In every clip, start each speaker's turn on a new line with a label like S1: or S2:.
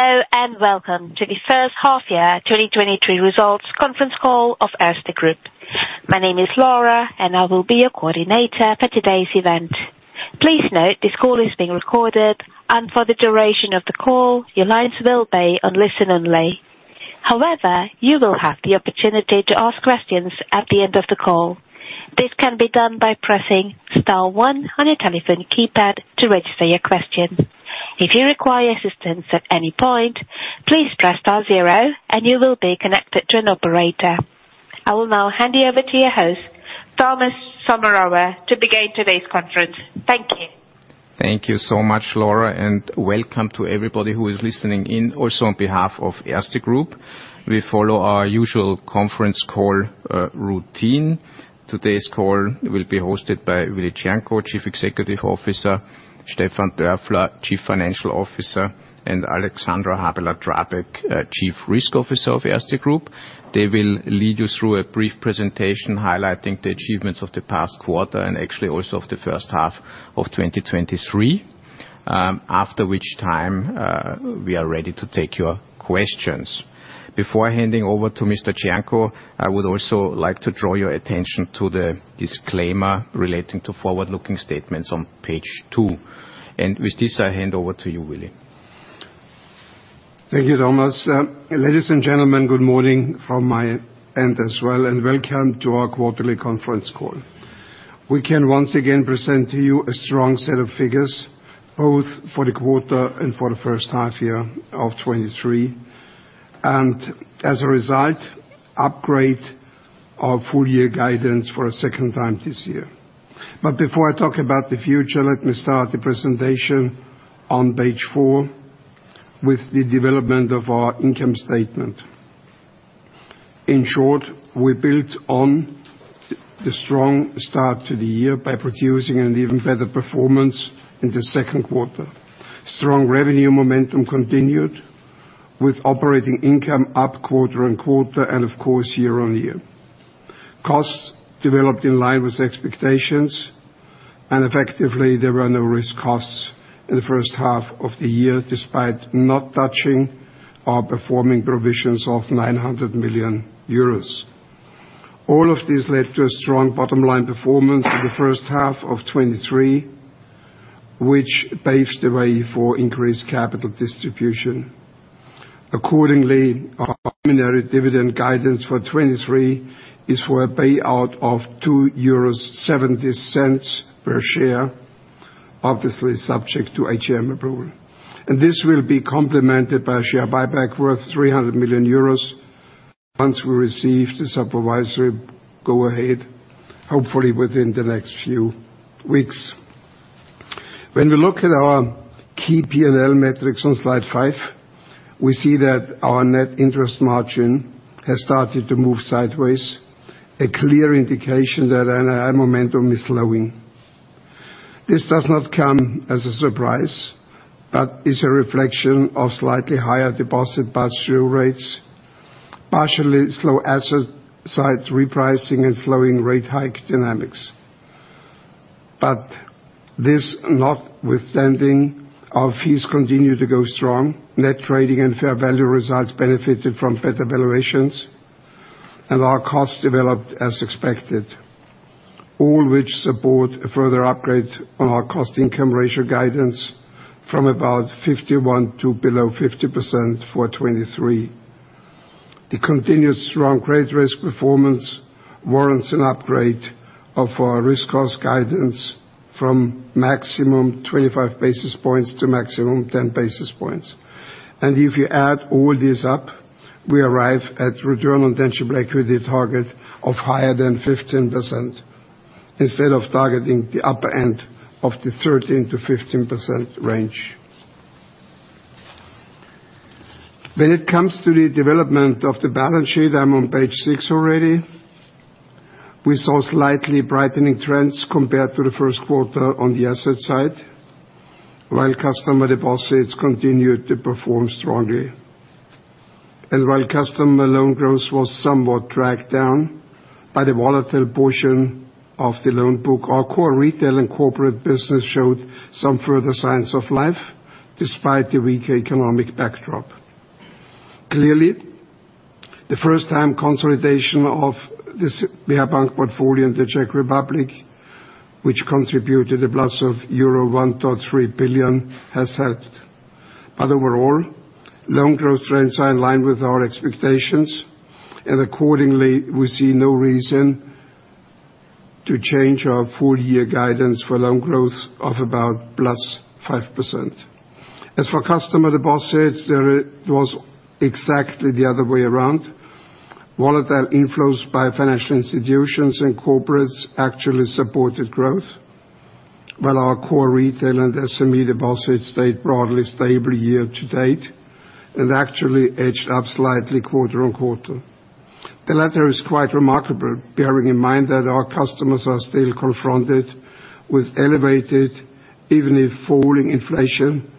S1: Hello, welcome to the first half year 2023 results conference call of Erste Group. My name is Laura, and I will be your coordinator for today's event. Please note, this call is being recorded, and for the duration of the call, your lines will be on listen-only. However, you will have the opportunity to ask questions at the end of the call. This can be done by pressing star one on your telephone keypad to register your question. If you require assistance at any point, please press star zero, and you will be connected to an operator. I will now hand you over to your host, Thomas Sommerauer, to begin today's conference. Thank you.
S2: Thank you so much, Laura, welcome to everybody who is listening in, also on behalf of Erste Group. We follow our usual conference call routine. Today's call will be hosted by Willi Cernko, Chief Executive Officer, Stefan Dörfler, Chief Financial Officer, and Alexandra Habeler-Drabek, Chief Risk Officer of Erste Group. They will lead you through a brief presentation highlighting the achievements of the past quarter, and actually, also of the first half of 2023. After which time, we are ready to take your questions. Before handing over to Mr. Cernko, I would also like to draw your attention to the disclaimer relating to forward-looking statements on page 2. With this, I hand over to you, Willi.
S3: Thank you, Thomas. Ladies and gentlemen, good morning from my end as well, and welcome to our quarterly conference call. We can once again present to you a strong set of figures, both for the quarter and for the first half year of 2023. As a result, upgrade our full year guidance for a second time this year. Before I talk about the future, let me start the presentation on page 4, with the development of our income statement. In short, we built on the strong start to the year by producing an even better performance in the second quarter. Strong revenue momentum continued, with operating income up quarter and quarter, and of course, year-on-year. Costs developed in line with expectations, and effectively, there were no risk costs in the first half of the year, despite not touching our performing provisions of 900,000,000 euros. All of this led to a strong bottom line performance in the first half of 2023, which paves the way for increased capital distribution. Accordingly, our preliminary dividend guidance for 2023 is for a payout of 2.70 euros per share, obviously subject to AGM approval. This will be complemented by a share buyback worth 300,000,000 euros, once we receive the supervisory go-ahead, hopefully within the next few weeks. When we look at our key P&L metrics on slide 5, we see that our net interest margin has started to move sideways, a clear indication that NII momentum is slowing. This does not come as a surprise, but is a reflection of slightly higher deposit pass-through rates, partially slow asset side repricing and slowing rate hike dynamics. This notwithstanding, our fees continue to go strong. Net trading and fair value results benefited from better valuations. Our costs developed as expected, all which support a further upgrade on our cost-income ratio guidance from about 51% to below 50% for 2023. The continuous strong credit risk performance warrants an upgrade of our risk cost guidance from maximum 25 basis points to maximum 10 basis points. If you add all this up, we arrive at return on tangible equity target of higher than 15%, instead of targeting the upper end of the 13%-15% range. When it comes to the development of the balance sheet, I'm on page 6 already. We saw slightly brightening trends compared to the first quarter on the asset side, while customer deposits continued to perform strongly. While customer loan growth was somewhat dragged down by the volatile portion of the loan book, our core retail and corporate business showed some further signs of life, despite the weak economic backdrop. Clearly, the first time consolidation of this Sberbank CZ portfolio in the Czech Republic, which contributed a +1,300,000,000, has helped. Overall, loan growth trends are in line with our expectations, and accordingly, we see no reason to change our full year guidance for loan growth of about +5%. As for customer deposits, there it was exactly the other way around. Volatile inflows by financial institutions and corporates actually supported growth, while our core retail and SME deposits stayed broadly stable year-to-date and actually edged up slightly quarter-on-quarter. The latter is quite remarkable, bearing in mind that our customers are still confronted with elevated, even if falling, inflation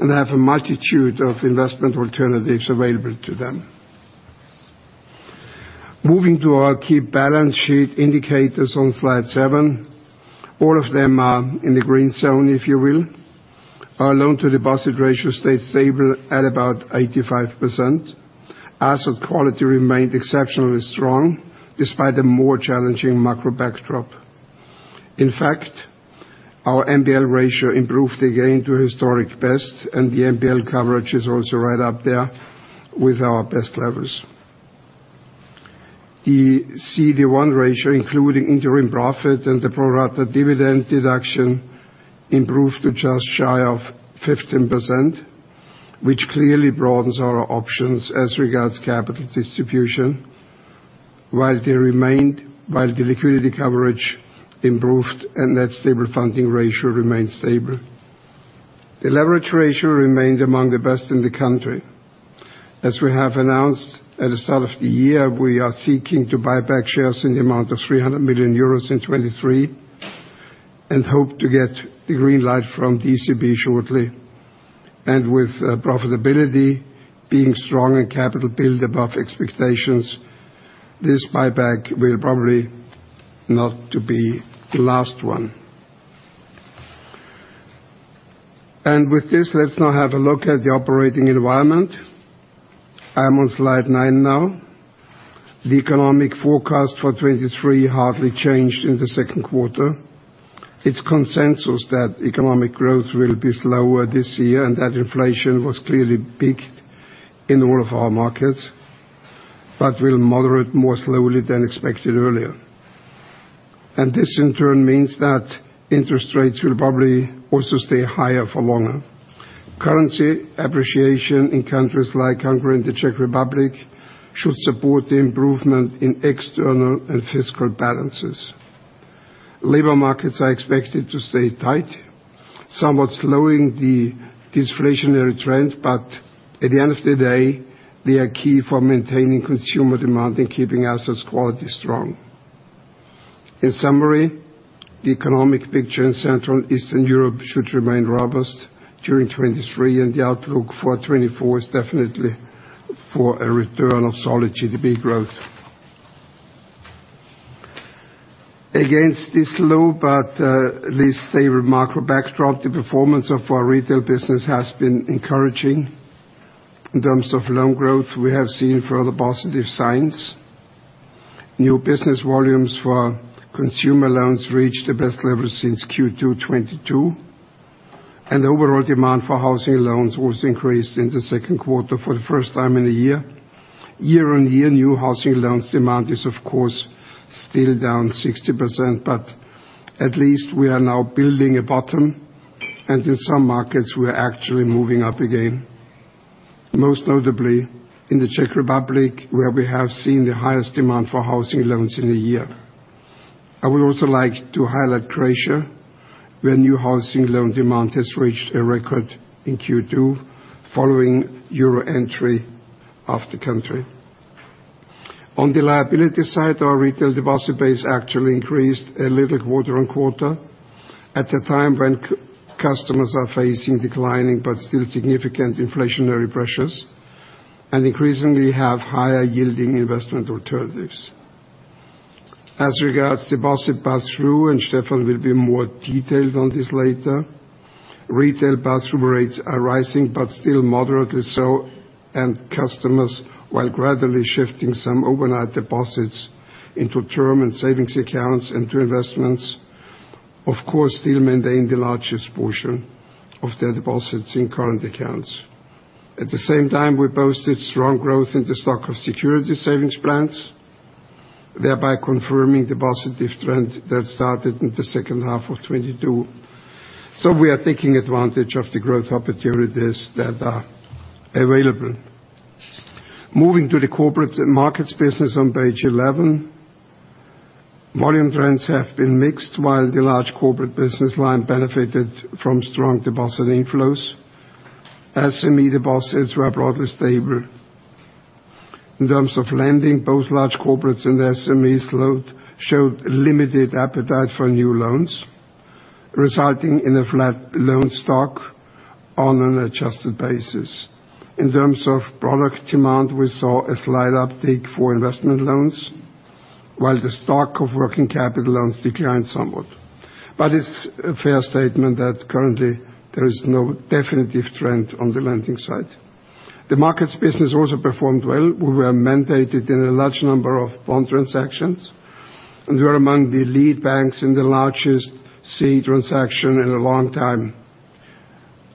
S3: and have a multitude of investment alternatives available to them. Moving to our key balance sheet indicators on slide 7, all of them are in the green zone, if you will. Our loan-to-deposit ratio stayed stable at about 85%. Asset quality remained exceptionally strong, despite a more challenging macro backdrop. In fact, our NPL ratio improved again to a historic best, and the NPL coverage is also right up there with our best levels. The CET1 ratio, including interim profit and the pro rata dividend deduction, improved to just shy of 15%, while the liquidity coverage improved and net stable funding ratio remained stable. The leverage ratio remained among the best in the country. As we have announced at the start of the year, we are seeking to buy back shares in the amount of EUR 300in 2023. Hope to get the green light from ECB shortly. With profitability being strong and capital build above expectations, this buyback will probably not to be the last one. With this, let's now have a look at the operating environment. I'm on slide 9 now. The economic forecast for 2023 hardly changed in the second quarter. It's consensus that economic growth will be slower this year, and that inflation was clearly peaked in all of our markets, but will moderate more slowly than expected earlier. This, in turn, means that interest rates will probably also stay higher for longer. Currency appreciation in countries like Hungary and the Czech Republic should support the improvement in external and fiscal balances. Labor markets are expected to stay tight, somewhat slowing the disinflationary trend. At the end of the day, they are key for maintaining consumer demand and keeping assets quality strong. In summary, the economic picture in Central and Eastern Europe should remain robust during 2023. The outlook for 2024 is definitely for a return of solid GDP growth. Against this low, but at least stable macro backdrop, the performance of our retail business has been encouraging. In terms of loan growth, we have seen further positive signs. New business volumes for consumer loans reached the best level since Q2 2022. Overall demand for housing loans was increased in the second quarter for the first time in a year. Year-on-year, new housing loans demand is, of course, still down 60%. At least we are now building a bottom, and in some markets, we are actually moving up again. Most notably in the Czech Republic, where we have seen the highest demand for housing loans in a year. I would also like to highlight Croatia, where new housing loan demand has reached a record in Q2, following euro entry of the country. On the liability side, our retail deposit base actually increased a little quarter-on-quarter, at a time when customers are facing declining but still significant inflationary pressures, and increasingly have higher-yielding investment alternatives. As regards deposit pass-through, and Stefan will be more detailed on this later, retail pass-through rates are rising, but still moderately so, and customers, while gradually shifting some overnight deposits into term and savings accounts into investments, of course, still maintain the largest portion of their deposits in current accounts. At the same time, we boasted strong growth in the stock of security savings plans, thereby confirming the positive trend that started in the second half of 2022. We are taking advantage of the growth opportunities that are available. Moving to the corporates and markets business on page 11, volume trends have been mixed, while the large corporate business line benefited from strong deposit inflows. SME deposits were broadly stable. In terms of lending, both large corporates and SMEs load showed limited appetite for new loans, resulting in a flat loan stock on an adjusted basis. In terms of product demand, we saw a slight uptick for investment loans, while the stock of working capital loans declined somewhat. It's a fair statement that currently there is no definitive trend on the lending side. The markets business also performed well. We were mandated in a large number of bond transactions, and we are among the lead banks in the largest C transaction in a long time.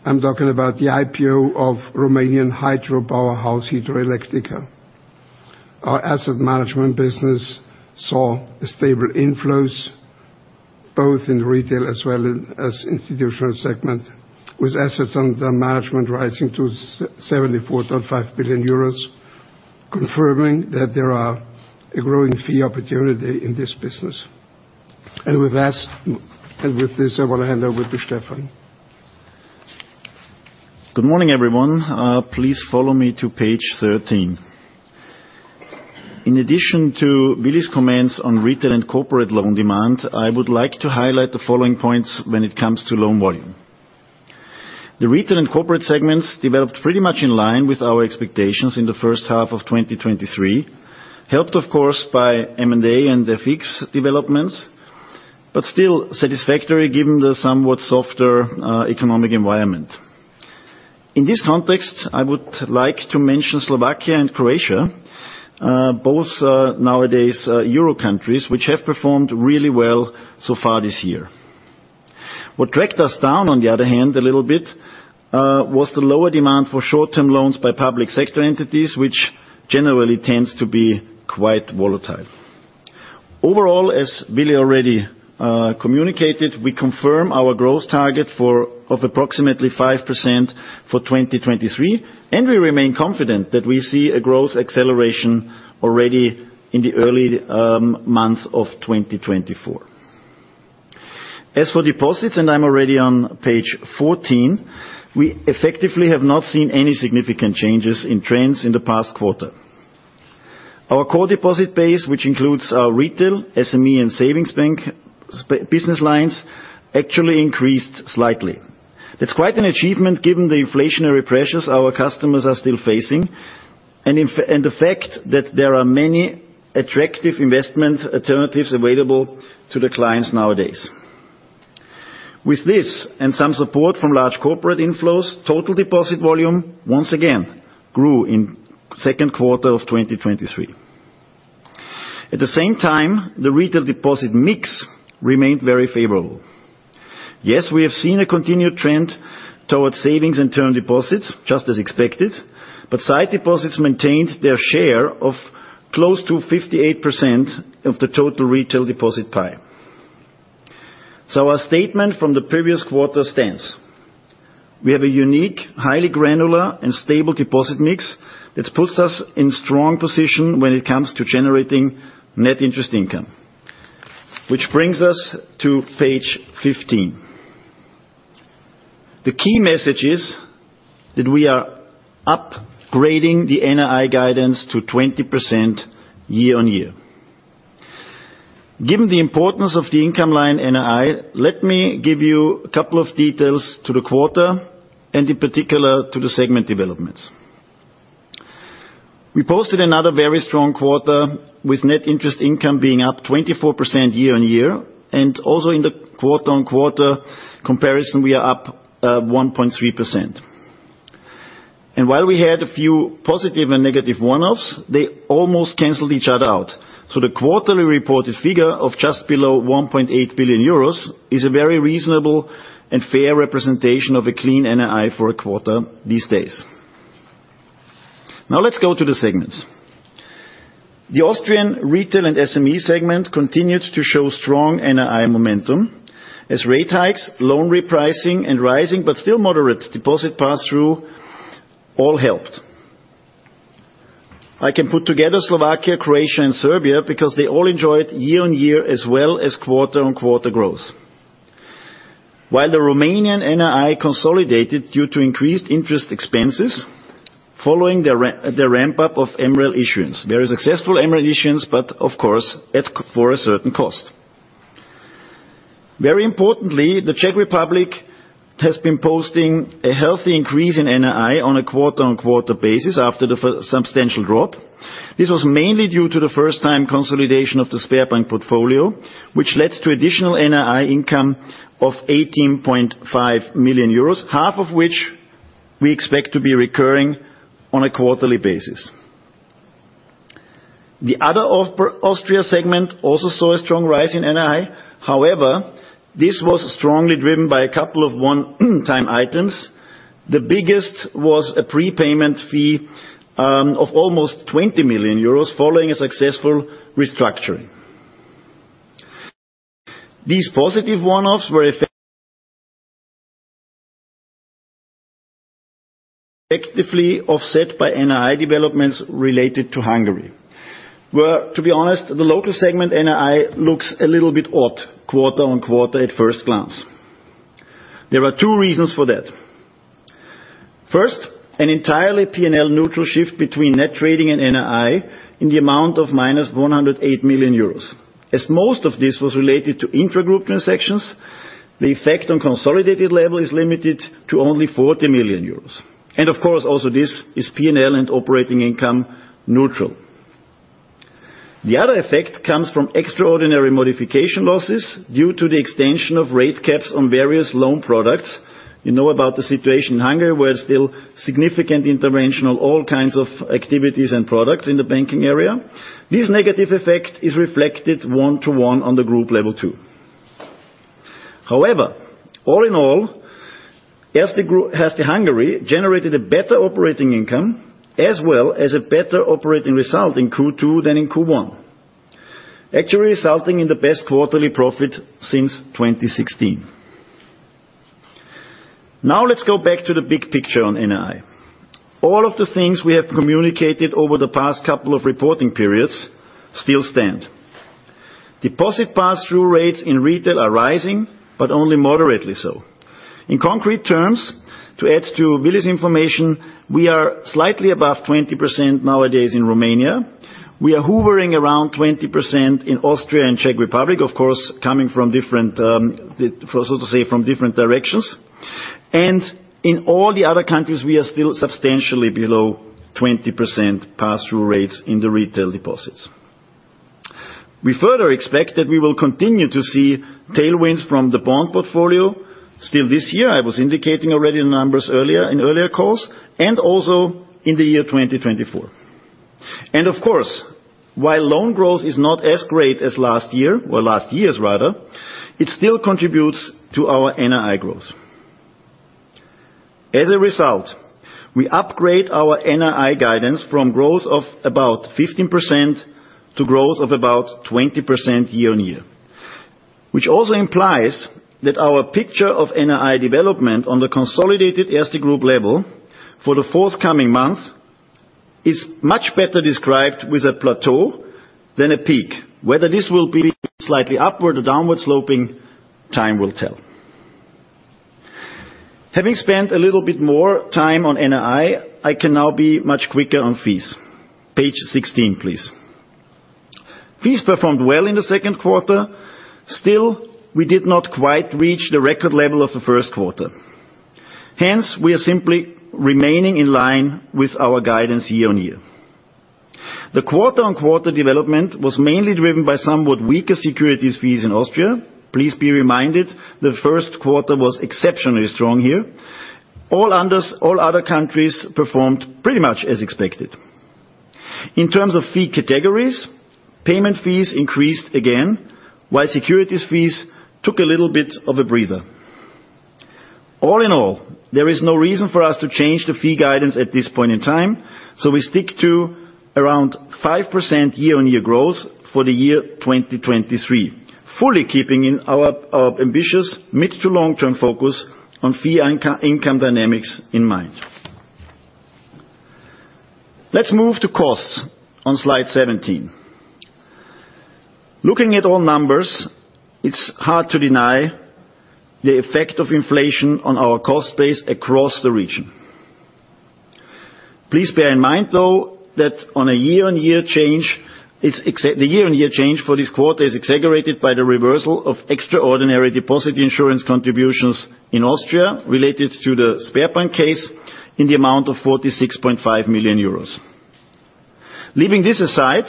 S3: I'm talking about the IPO of Romanian hydropower house, Hidroelectrica. Our asset management business saw stable inflows, both in retail as well as institutional segment, with assets under management rising to 74,500,000,000 euros, confirming that there are a growing fee opportunity in this business. With this, I want to hand over to Stefan.
S4: Good morning, everyone. Please follow me to page 13. In addition to Willi's comments on retail and corporate loan demand, I would like to highlight the following points when it comes to loan volume. The retail and corporate segments developed pretty much in line with our expectations in the first half of 2023, helped, of course, by M&A and the fixed developments, but still satisfactory given the somewhat softer economic environment. In this context, I would like to mention Slovakia and Croatia, both nowadays Euro countries, which have performed really well so far this year. What dragged us down, on the other hand, a little bit, was the lower demand for short-term loans by public sector entities, which generally tends to be quite volatile. Overall, as Willi already communicated, we confirm our growth target of approximately 5% for 2023. We remain confident that we see a growth acceleration already in the early months of 2024. As for deposits, I'm already on page 14, we effectively have not seen any significant changes in trends in the past quarter. Our core deposit base, which includes our retail, SME, and savings bank business lines, actually increased slightly. It's quite an achievement, given the inflationary pressures our customers are still facing, and the fact that there are many attractive investment alternatives available to the clients nowadays. With this and some support from large corporate inflows, total deposit volume once again grew in 2Q 2023. At the same time, the retail deposit mix remained very favorable. Yes, we have seen a continued trend towards savings and term deposits, just as expected, sight deposits maintained their share of close to 58% of the total retail deposit pie. Our statement from the previous quarter stands. We have a unique, highly granular, and stable deposit mix that puts us in strong position when it comes to generating net interest income. Which brings us to page 15. The key message is that we are upgrading the NII guidance to 20% year-on-year. Given the importance of the income line, NII, let me give you a couple of details to the quarter, and in particular, to the segment developments. We posted another very strong quarter, with net interest income being up 24% year-on-year, and also in the quarter-on-quarter comparison, we are up 1.3%. While we had a few positive and negative one-offs, they almost canceled each other out. The quarterly reported figure of just below 1,800,000,000 euros is a very reasonable and fair representation of a clean NII for a quarter these days. Now let's go to the segments. The Austrian retail and SME segment continued to show strong NII momentum as rate hikes, loan repricing, and rising, but still moderate deposit pass-through, all helped. I can put together Slovakia, Croatia, and Serbia, because they all enjoyed year-on-year as well as quarter-on-quarter growth. While the Romanian NII consolidated due to increased interest expenses following the ramp-up of MREL issuance. Very successful MREL issuance, but of course, at for a certain cost. Very importantly, the Czech Republic has been posting a healthy increase in NII on a quarter-on-quarter basis after the substantial drop. This was mainly due to the first-time consolidation of the Sberbank portfolio, which led to additional NII income of 18,500,000 euros, half of which we expect to be recurring on a quarterly basis. The Austria segment also saw a strong rise in NII. This was strongly driven by a couple of one-time items. The biggest was a prepayment fee of almost 20,000,000 euros, following a successful restructuring. These positive one-offs were effectively offset by NII developments related to Hungary, where, to be honest, the local segment, NII, looks a little bit odd quarter-on-quarter at first glance. There are two reasons for that. First, an entirely P&L neutral shift between net trading and NII in the amount of -108,000,000 euros. As most of this was related to intragroup transactions, the effect on consolidated level is limited to only 40,000,000 euros, and of course, also, this is P&L and operating income neutral. The other effect comes from extraordinary modification losses due to the extension of rate caps on various loan products. You know about the situation in Hungary, where still significant intervention on all kinds of activities and products in the banking area. This negative effect is reflected one-to-one on the group level 2. However, all in all, as Hungary generated a better operating income, as well as a better operating result in Q2 than in Q1, actually resulting in the best quarterly profit since 2016. Now, let's go back to the big picture on NII. All of the things we have communicated over the past couple of reporting periods still stand. Deposit pass-through rates in retail are rising, but only moderately so. In concrete terms, to add to Billy's information, we are slightly above 20% nowadays in Romania. We are hovering around 20% in Austria and Czech Republic, of course, coming from different, so to say, from different directions. In all the other countries, we are still substantially below 20% pass-through rates in the retail deposits. We further expect that we will continue to see tailwinds from the bond portfolio. Still this year, I was indicating already the numbers earlier, in earlier calls, and also in the year 2024. Of course, while loan growth is not as great as last year, or last year's rather, it still contributes to our NII growth. As a result, we upgrade our NII guidance from growth of about 15% to growth of about 20% year-on-year, which also implies that our picture of NII development on the consolidated Erste Group level for the forthcoming month, is much better described with a plateau than a peak. Whether this will be slightly upward or downward sloping, time will tell. Having spent a little bit more time on NII, I can now be much quicker on fees. Page 16, please. Fees performed well in the second quarter. Still, we did not quite reach the record level of the first quarter. Hence, we are simply remaining in line with our guidance year-on-year. The quarter-on-quarter development was mainly driven by somewhat weaker securities fees in Austria. Please be reminded, the first quarter was exceptionally strong here. All other countries performed pretty much as expected. In terms of fee categories, payment fees increased again, while securities fees took a little bit of a breather. All in all, there is no reason for us to change the fee guidance at this point in time, so we stick to around 5% year-on-year growth for the year 2023, fully keeping in our ambitious mid to long-term focus on fee income dynamics in mind. Let's move to costs on slide 17. Looking at all numbers, it's hard to deny the effect of inflation on our cost base across the region. Please bear in mind, though, that on a year-on-year change, the year-on-year change for this quarter is exaggerated by the reversal of extraordinary deposit insurance contributions in Austria, related to the savings banks case, in the amount of 46,5 euros. Leaving this aside,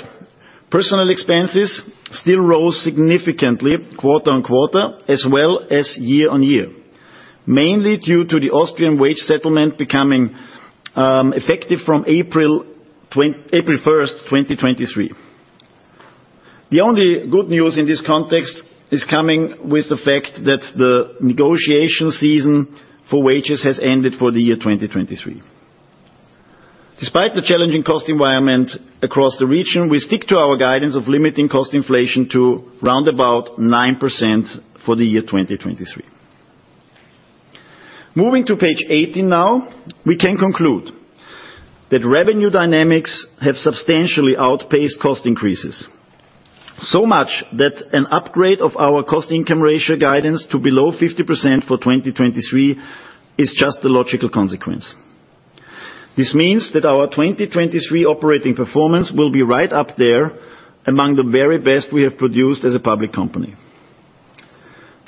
S4: personal expenses still rose significantly quarter-on-quarter, as well as year-on-year, mainly due to the Austrian wage settlement becoming effective from April 1st, 2023. The only good news in this context is coming with the fact that the negotiation season for wages has ended for the year 2023. Despite the challenging cost environment across the region, we stick to our guidance of limiting cost inflation to round about 9% for the year 2023. Moving to page 18 now, we can conclude that revenue dynamics have substantially outpaced cost increases. Much, that an upgrade of our cost-income ratio guidance to below 50% for 2023 is just a logical consequence. This means that our 2023 operating performance will be right up there among the very best we have produced as a public company.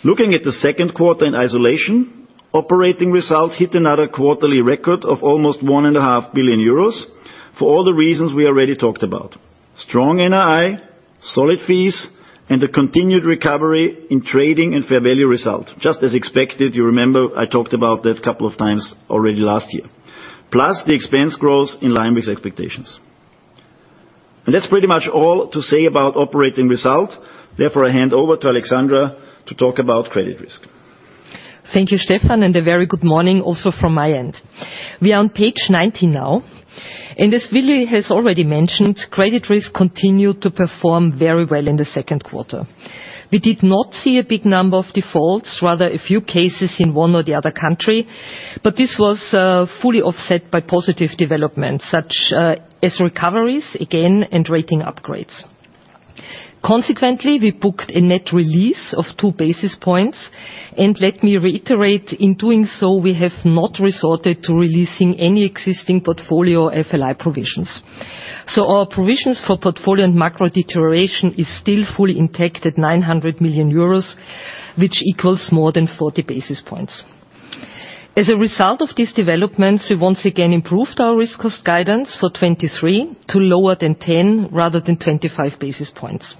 S4: Looking at the second quarter in isolation, operating results hit another quarterly record of almost 1,500,000,000 euros for all the reasons we already talked about. Strong NII, solid fees, and a continued recovery in trading and fair value result. Just as expected, you remember I talked about that a couple of times already last year. Plus, the expense growth in line with expectations. That's pretty much all to say about operating result. Therefore, I hand over to Alexandra to talk about credit risk.
S5: Thank you, Stefan. A very good morning, also from my end. We are on page 19 now, and as Willibald Cernko has already mentioned, credit risk continued to perform very well in the second quarter. We did not see a big number of defaults, rather a few cases in one or the other country, but this was fully offset by positive developments, such as recoveries again and rating upgrades. Consequently, we booked a net release of 2 basis points, and let me reiterate, in doing so, we have not resorted to releasing any existing portfolio FLI provisions. Our provisions for portfolio and macro deterioration is still fully intact at 900,000,000 euros, which equals more than 40 basis points. As a result of these developments, we once again improved our risk cost guidance for 2023 to lower than 10, rather than 25 basis points.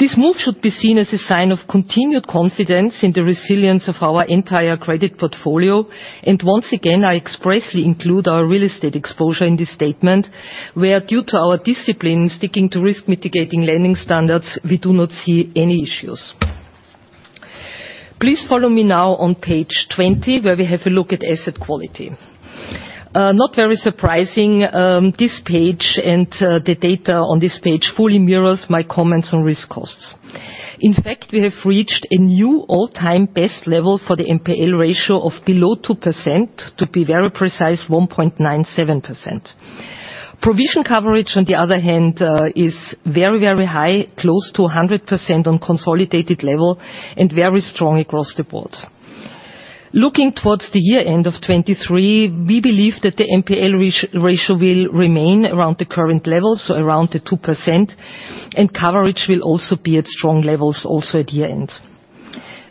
S5: This move should be seen as a sign of continued confidence in the resilience of our entire credit portfolio. Once again, I expressly include our real estate exposure in this statement, where due to our discipline, sticking to risk-mitigating lending standards, we do not see any issues. Please follow me now on page 20, where we have a look at asset quality. Not very surprising, this page and the data on this page fully mirrors my comments on risk costs. In fact, we have reached a new all-time best level for the NPL ratio of below 2%, to be very precise, 1.97%. Provision coverage, on the other hand, is very, very high, close to 100% on consolidated level, and very strong across the board. Looking towards the year end of 2023, we believe that the NPL ratio will remain around the current level, so around the 2%, and coverage will also be at strong levels, also at year-end.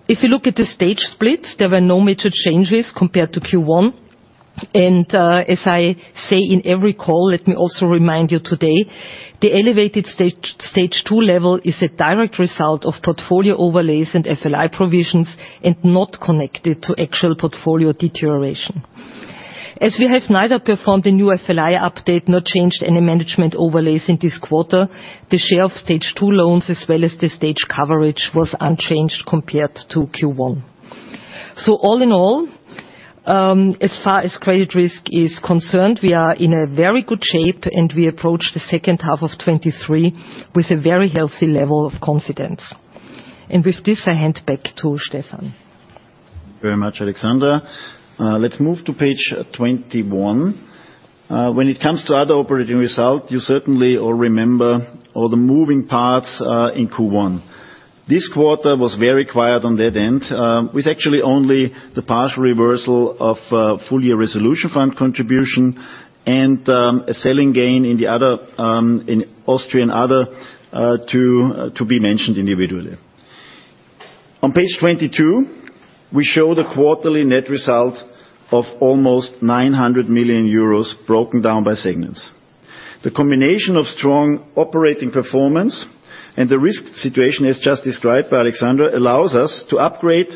S5: If you look at the stage split, there were no major changes compared to Q1. As I say in every call, let me also remind you today, the elevated Stage 2 level is a direct result of portfolio overlays and FLI provisions, and not connected to actual portfolio deterioration. As we have neither performed a new FLI update, nor changed any management overlays in this quarter, the share of Stage 2 loans, as well as the stage coverage, was unchanged compared to Q1. All in all, as far as credit risk is concerned, we are in a very good shape, and we approach the second half of 2023 with a very healthy level of confidence. With this, I hand back to Stefan.
S4: Thank you very much, Alexandra. Let's move to page 21. When it comes to other operating results, you certainly all remember all the moving parts in Q1. This quarter was very quiet on that end, with actually only the partial reversal of full year Resolution Fund contribution, and a selling gain in the other, in Austria and Other, to be mentioned individually. On page 22, we show the quarterly net result of almost 900,000,000 euros, broken down by segments. The combination of strong operating performance and the risk situation, as just described by Alexandra, allows us to upgrade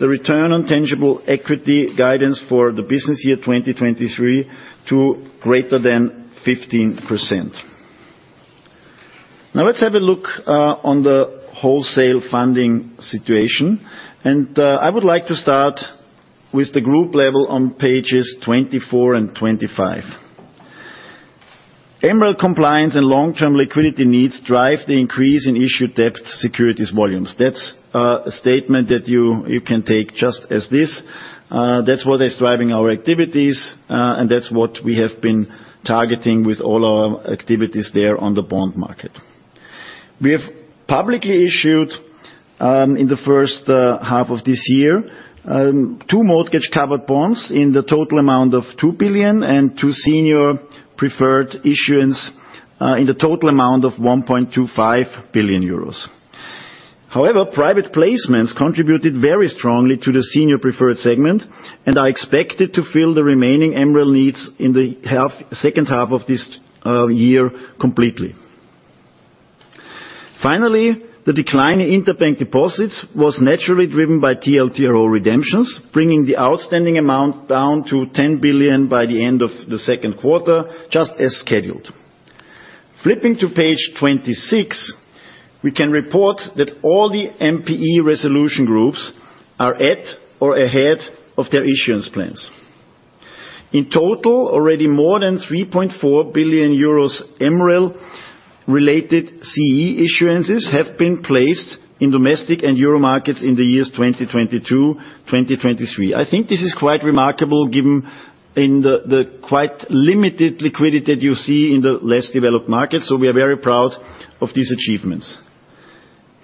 S4: the return on tangible equity guidance for the business year 2023 to greater than 15%. Now, let's have a look on the wholesale funding situation. I would like to start with the group level on pages 24 and 25. MREL compliance and long-term liquidity needs drive the increase in issued debt securities volumes. That's a statement that you, you can take just as this. That's what is driving our activities, and that's what we have been targeting with all our activities there on the bond market. We have publicly issued in the first half of this year two mortgage-covered bonds in the total amount of 2,000,000,000, and two senior preferred issuance in the total amount of 1,250,000,000 euros. However, private placements contributed very strongly to the senior preferred segment, and are expected to fill the remaining MREL needs in the second half of this year completely. The decline in interbank deposits was naturally driven by TLTRO redemptions, bringing the outstanding amount down to 10,000,000,000 by the end of the second quarter, just as scheduled. Flipping to page 26, we can report that all the MPE resolution groups are at or ahead of their issuance plans. In total, already more than 3, MREL-related CE issuances have been placed in domestic and euro markets in the years 2022, 2023. I think this is quite remarkable, given the quite limited liquidity that you see in the less developed markets, so we are very proud of these achievements.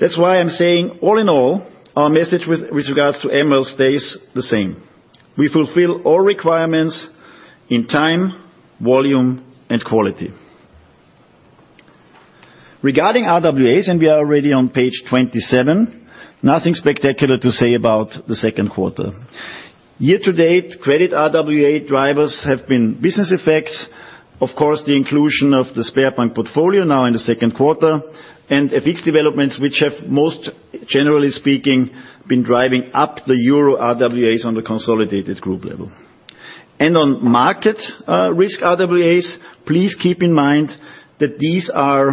S4: That's why I'm saying, all in all, our message with regards to MREL stays the same. We fulfill all requirements in time, volume, and quality. Regarding RWAs, we are already on page 27, nothing spectacular to say about the 2Q. Year to date, credit RWA drivers have been business effects, of course, the inclusion of the Sberbank CZ portfolio now in the 2Q, and FX developments, which have most, generally speaking, been driving up the euro RWAs on the consolidated group level. On market risk RWAs, please keep in mind that these are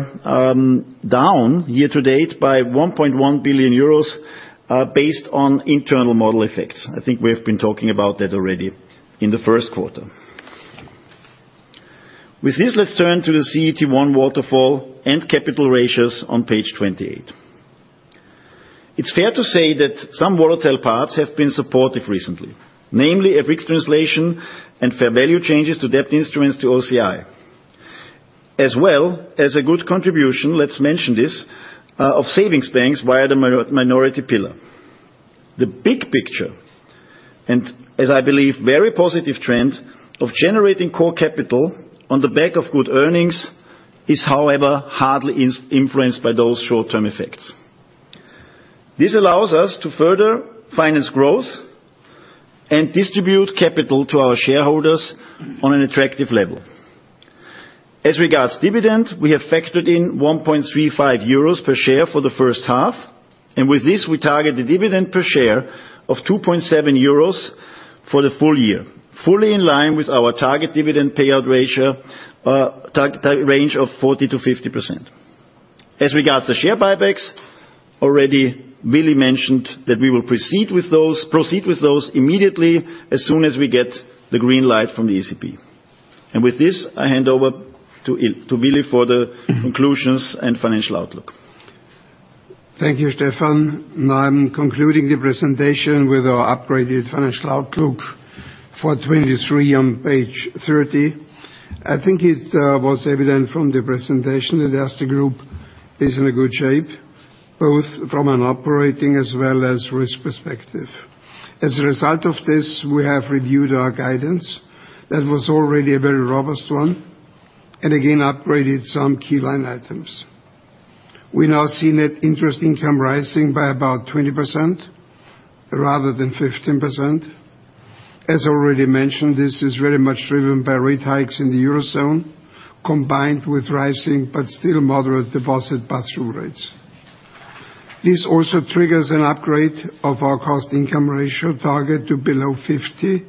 S4: down year to date by 1,100,000,000 euros based on internal model effects. I think we have been talking about that already in the 1Q. With this, let's turn to the CET1 waterfall and capital ratios on page 28. It's fair to say that some volatile parts have been supportive recently, namely, FX translation and fair value changes to debt instruments to OCI, as well as a good contribution, let's mention this, of savings banks via the minority pillar. The big picture, as I believe, very positive trend of generating core capital on the back of good earnings is, however, hardly influenced by those short-term effects. This allows us to further finance growth and distribute capital to our shareholders on an attractive level. As regards dividend, we have factored in 1.35 euros per share for the first half, and with this, we target the dividend per share of 2.7 euros for the full year. Fully in line with our target dividend payout ratio target range of 40%-50%. As regards to share buybacks, already, Willi mentioned that we will proceed with those immediately, as soon as we get the green light from the ECB. With this, I hand over to Willi for the conclusions and financial outlook.
S5: Thank you, Stefan. I'm concluding the presentation with our upgraded financial outlook for 2023 on page 30. I think it was evident from the presentation that as the group is in a good shape, both from an operating as well as risk perspective. As a result of this, we have reviewed our guidance. That was already a very robust one-
S3: Again, upgraded some key line items. We now see net interest income rising by about 20%, rather than 15%. As already mentioned, this is very much driven by rate hikes in the Eurozone, combined with rising but still moderate deposit pass-through rates. This also triggers an upgrade of our cost-income ratio target to below 50%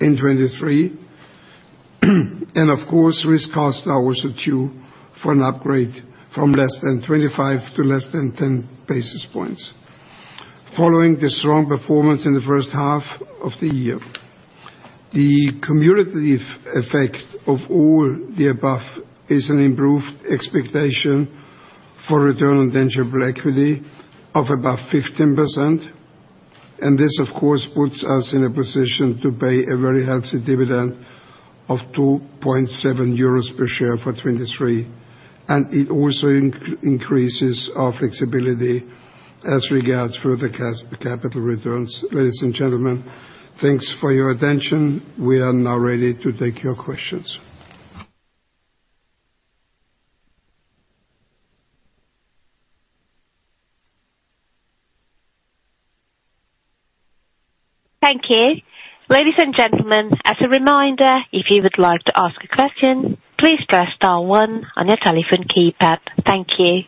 S3: in 2023. Of course, risk costs are also due for an upgrade from less than 25 to less than 10 basis points, following the strong performance in the first half of the year. The cumulative effect of all the above is an improved expectation for return on tangible equity of about 15%, and this, of course, puts us in a position to pay a very healthy dividend of 2.7 euros per share for 2023. It also increases our flexibility as regards further capital returns. Ladies and gentlemen, thanks for your attention. We are now ready to take your questions.
S1: Thank you. Ladies and gentlemen, as a reminder, if you would like to ask a question, please press star one on your telephone keypad. Thank you.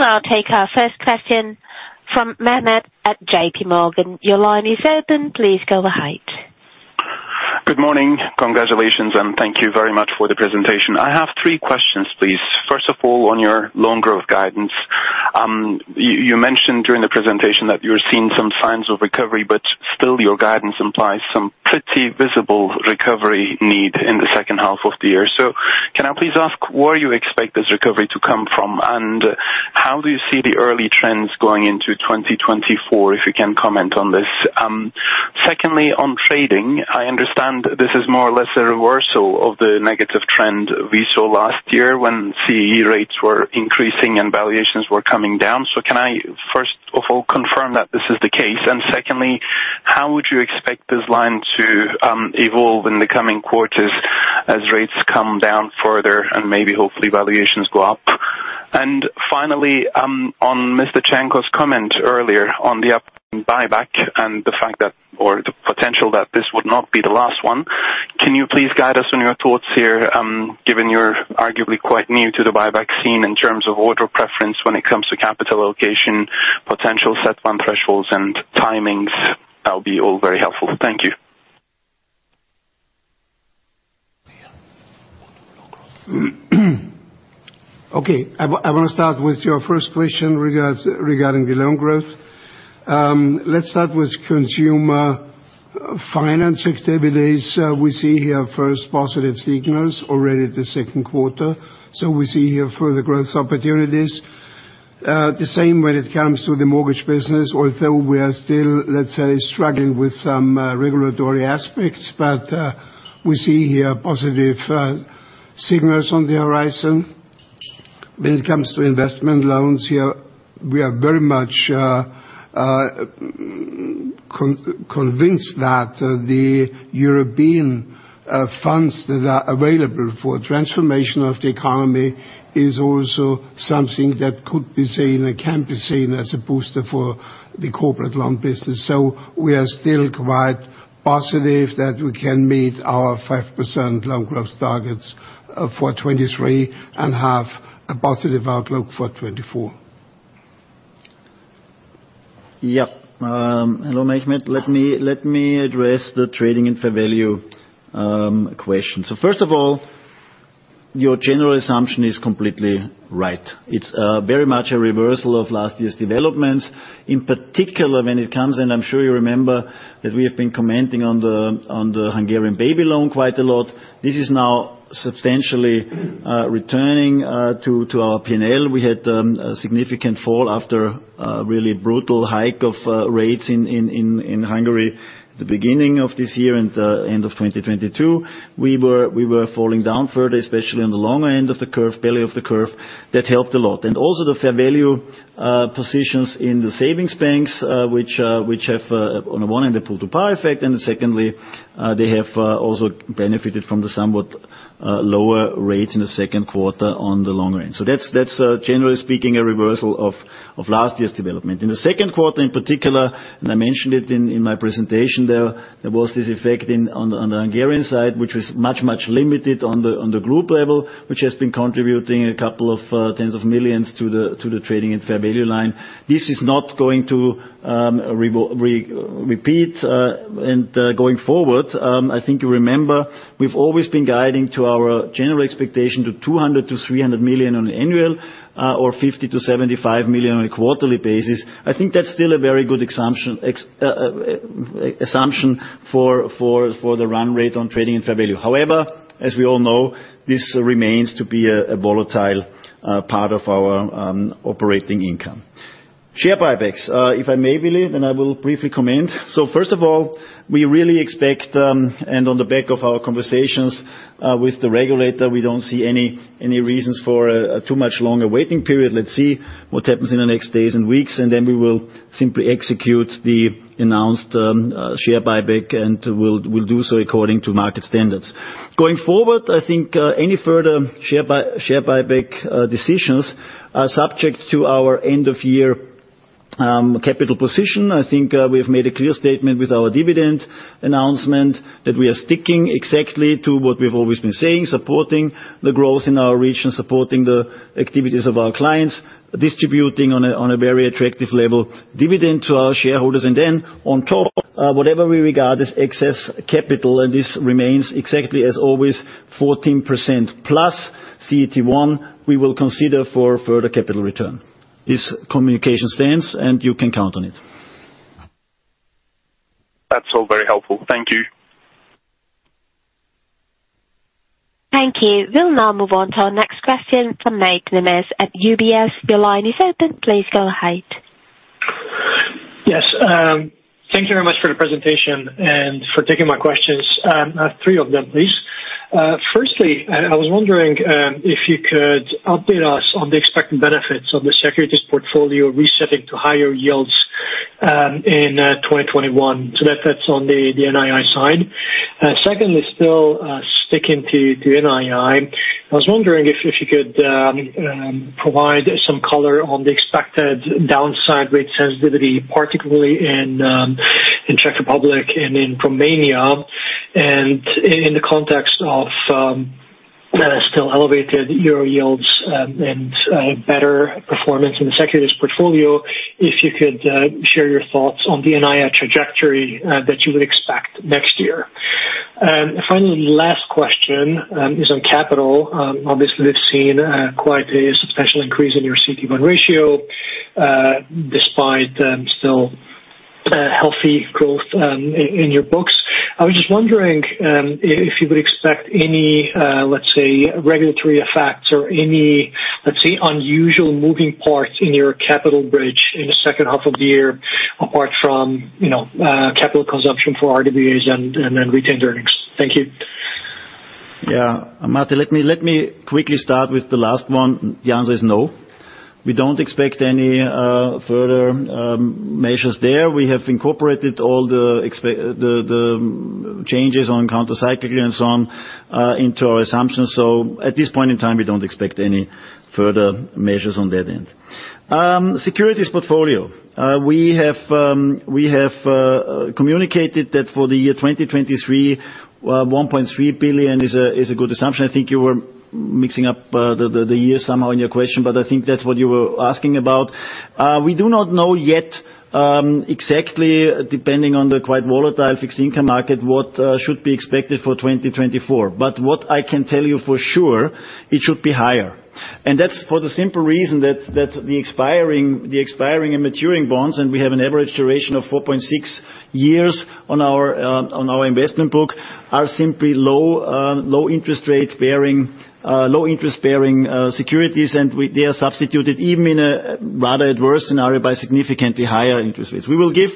S1: We will now take our first question from Mehmet at JP Morgan. Your line is open. Please go ahead.
S6: Good morning. Congratulations, and thank you very much for the presentation. I have 3 questions, please. First of all, on your loan growth guidance, you, you mentioned during the presentation that you're seeing some signs of recovery, but still your guidance implies some pretty visible recovery need in the second half of the year. Can I please ask where you expect this recovery to come from? How do you see the early trends going into 2024, if you can comment on this? Secondly, on trading, I understand this is more or less a reversal of the negative trend we saw last year when CEE rates were increasing and valuations were coming down. Can I, first of all, confirm that this is the case? Secondly, how would you expect this line to evolve in the coming quarters as rates come down further and maybe hopefully valuations go up? Finally, on Willi Cernko's comment earlier on the upcoming buyback and the fact that or the potential that this would not be the last one, can you please guide us on your thoughts here, given you're arguably quite new to the buyback scene in terms of order preference when it comes to capital allocation, potential set fund thresholds, and timings? That'll be all very helpful. Thank you.
S3: Okay, I want to start with your first question regarding the loan growth. Let's start with consumer finance activities. We see here first positive signals already the second quarter, we see here further growth opportunities. The same when it comes to the mortgage business, although we are still, let's say, struggling with some regulatory aspects, but we see here positive signals on the horizon. When it comes to investment loans, here we are very much convinced that the European funds that are available for transformation of the economy is also something that could be seen and can be seen as a booster for the corporate loan business. We are still quite positive that we can meet our 5% loan growth targets for 2023, and have a positive outlook for 2024.
S4: Yeah. Hello, Mehmet. Let me address the trading and fair value question. First of all, your general assumption is completely right. It's very much a reversal of last year's developments. In particular, when it comes, and I'm sure you remember, that we have been commenting on the Hungarian baby loan quite a lot. This is now substantially returning to our P&L. We had a significant fall after a really brutal hike of rates in Hungary at the beginning of this year and end of 2022. We were falling down further, especially on the longer end of the curve, belly of the curve. That helped a lot. Also the fair value positions in the savings banks, which, which have, on the one hand, a pull-to-par effect, and secondly, they have also benefited from the somewhat lower rates in the second quarter on the long range. That's, that's generally speaking, a reversal of last year's development. In the second quarter, in particular, and I mentioned it in my presentation there, there was this effect in, on the Hungarian side, which was much, much limited on the group level, which has been contributing a couple of EUR tens of millions to the trading and fair value line. This is not going to repeat. Going forward, I think you remember, we've always been guiding to our general expectation to 200,000,000-300,000,000 on an annual, or 50,000,000-75,000,000 on a quarterly basis. I think that's still a very good assumption, ex assumption for, for, for the run rate on trading and fair value. However, as we all know, this remains to be a, a volatile part of our operating income. Share buybacks, if I may, Billy, then I will briefly comment. First of all, we really expect, and on the back of our conversations, with the regulator, we don't see any, any reasons for a, a too much longer waiting period. Let's see what happens in the next days and weeks, and then we will simply execute the announced share buyback, and we'll, we'll do so according to market standards. Going forward, I think, any further share buy, share buyback decisions are subject to our end-of-year capital position. I think, we've made a clear statement with our dividend announcement, that we are sticking exactly to what we've always been saying, supporting the growth in our region, supporting the activities of our clients, distributing on a very attractive level, dividend to our shareholders. Then on top, whatever we regard as excess capital, and this remains exactly as always, 14% plus CET1, we will consider for further capital return. This communication stands, and you can count on it.
S6: That's all very helpful. Thank you.
S1: Thank you. We'll now move on to our next question from Máté Nemes at UBS. Your line is open. Please go ahead.
S7: Yes, thank you very much for the presentation and for taking my questions. I have 3 of them, please. Firstly, I, I was wondering if you could update us on the expected benefits of the securities portfolio resetting to higher yields in 2021, so that, that's on the, the NII side. Secondly, still, sticking to, to NII, I was wondering if you could provide some color on the expected downside rate sensitivity, particularly in Czech Republic and in Romania, and in the context of that is still elevated euro yields and better performance in the securities portfolio, if you could share your thoughts on the NII trajectory that you would expect next year. Finally, last question is on capital. Obviously, we've seen quite a substantial increase in your CET1 ratio, despite still healthy growth in your books. I was just wondering, if you would expect any, let's say, regulatory effects or any, let's say, unusual moving parts in your capital bridge in the second half of the year, apart from, you know, capital consumption for RWA and, and, and retained earnings. Thank you.
S4: Yeah. Máté, let me, let me quickly start with the last one. The answer is no. We don't expect any further measures there. We have incorporated all the the changes on countercyclical and so on into our assumptions. At this point in time, we don't expect any further measures on that end. Securities portfolio. We have communicated that for the year 2023, 1,300,000,000 is a good assumption. I think you were mixing up the year somehow in your question, but I think that's what you were asking about. We do not know yet exactly, depending on the quite volatile fixed income market, what should be expected for 2024. What I can tell you for sure, it should be higher. That's for the simple reason that, that the expiring, the expiring and maturing bonds, and we have an average duration of 4.6 years on our, on our investment book, are simply low, low interest rate-bearing, low interest-bearing securities, and we, they are substituted even in a rather adverse scenario by significantly higher interest rates. We will give,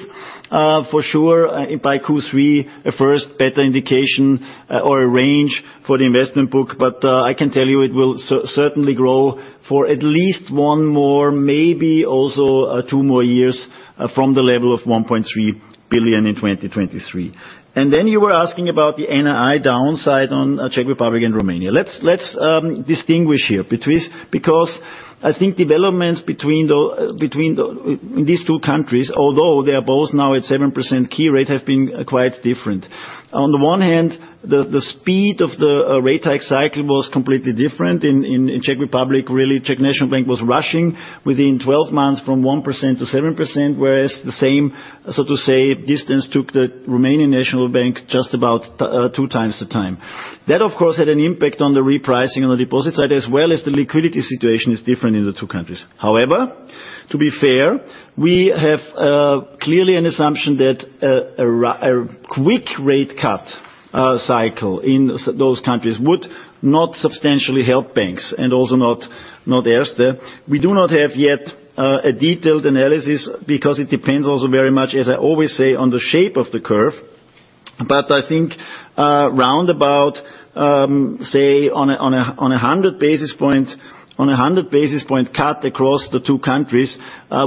S4: for sure, by Q3, a first better indication, or a range for the investment book, but I can tell you it will certainly grow for at least one more, maybe also two more years, from the level of 1,300,000,000 in 2023. Then you were asking about the NII downside on Czech Republic and Romania. Let's, let's distinguish here between... Because I think developments between these two countries, although they are both now at 7% key rate, have been quite different. On the one hand, the, the speed of the rate hike cycle was completely different. In Czech Republic, really, Czech National Bank was rushing within 12 months from 1% to 7%, whereas the same, so to say, distance took the Romanian National Bank just about 2 times the time. That, of course, had an impact on the repricing on the deposit side, as well as the liquidity situation is different in the two countries. However, to be fair, we have clearly an assumption that a quick rate cut cycle in those countries would not substantially help banks, and also not, not Erste. We do not have yet a detailed analysis because it depends also very much, as I always say, on the shape of the curve. I think round about, say, on a 100 basis point, on a 100 basis point cut across the two countries,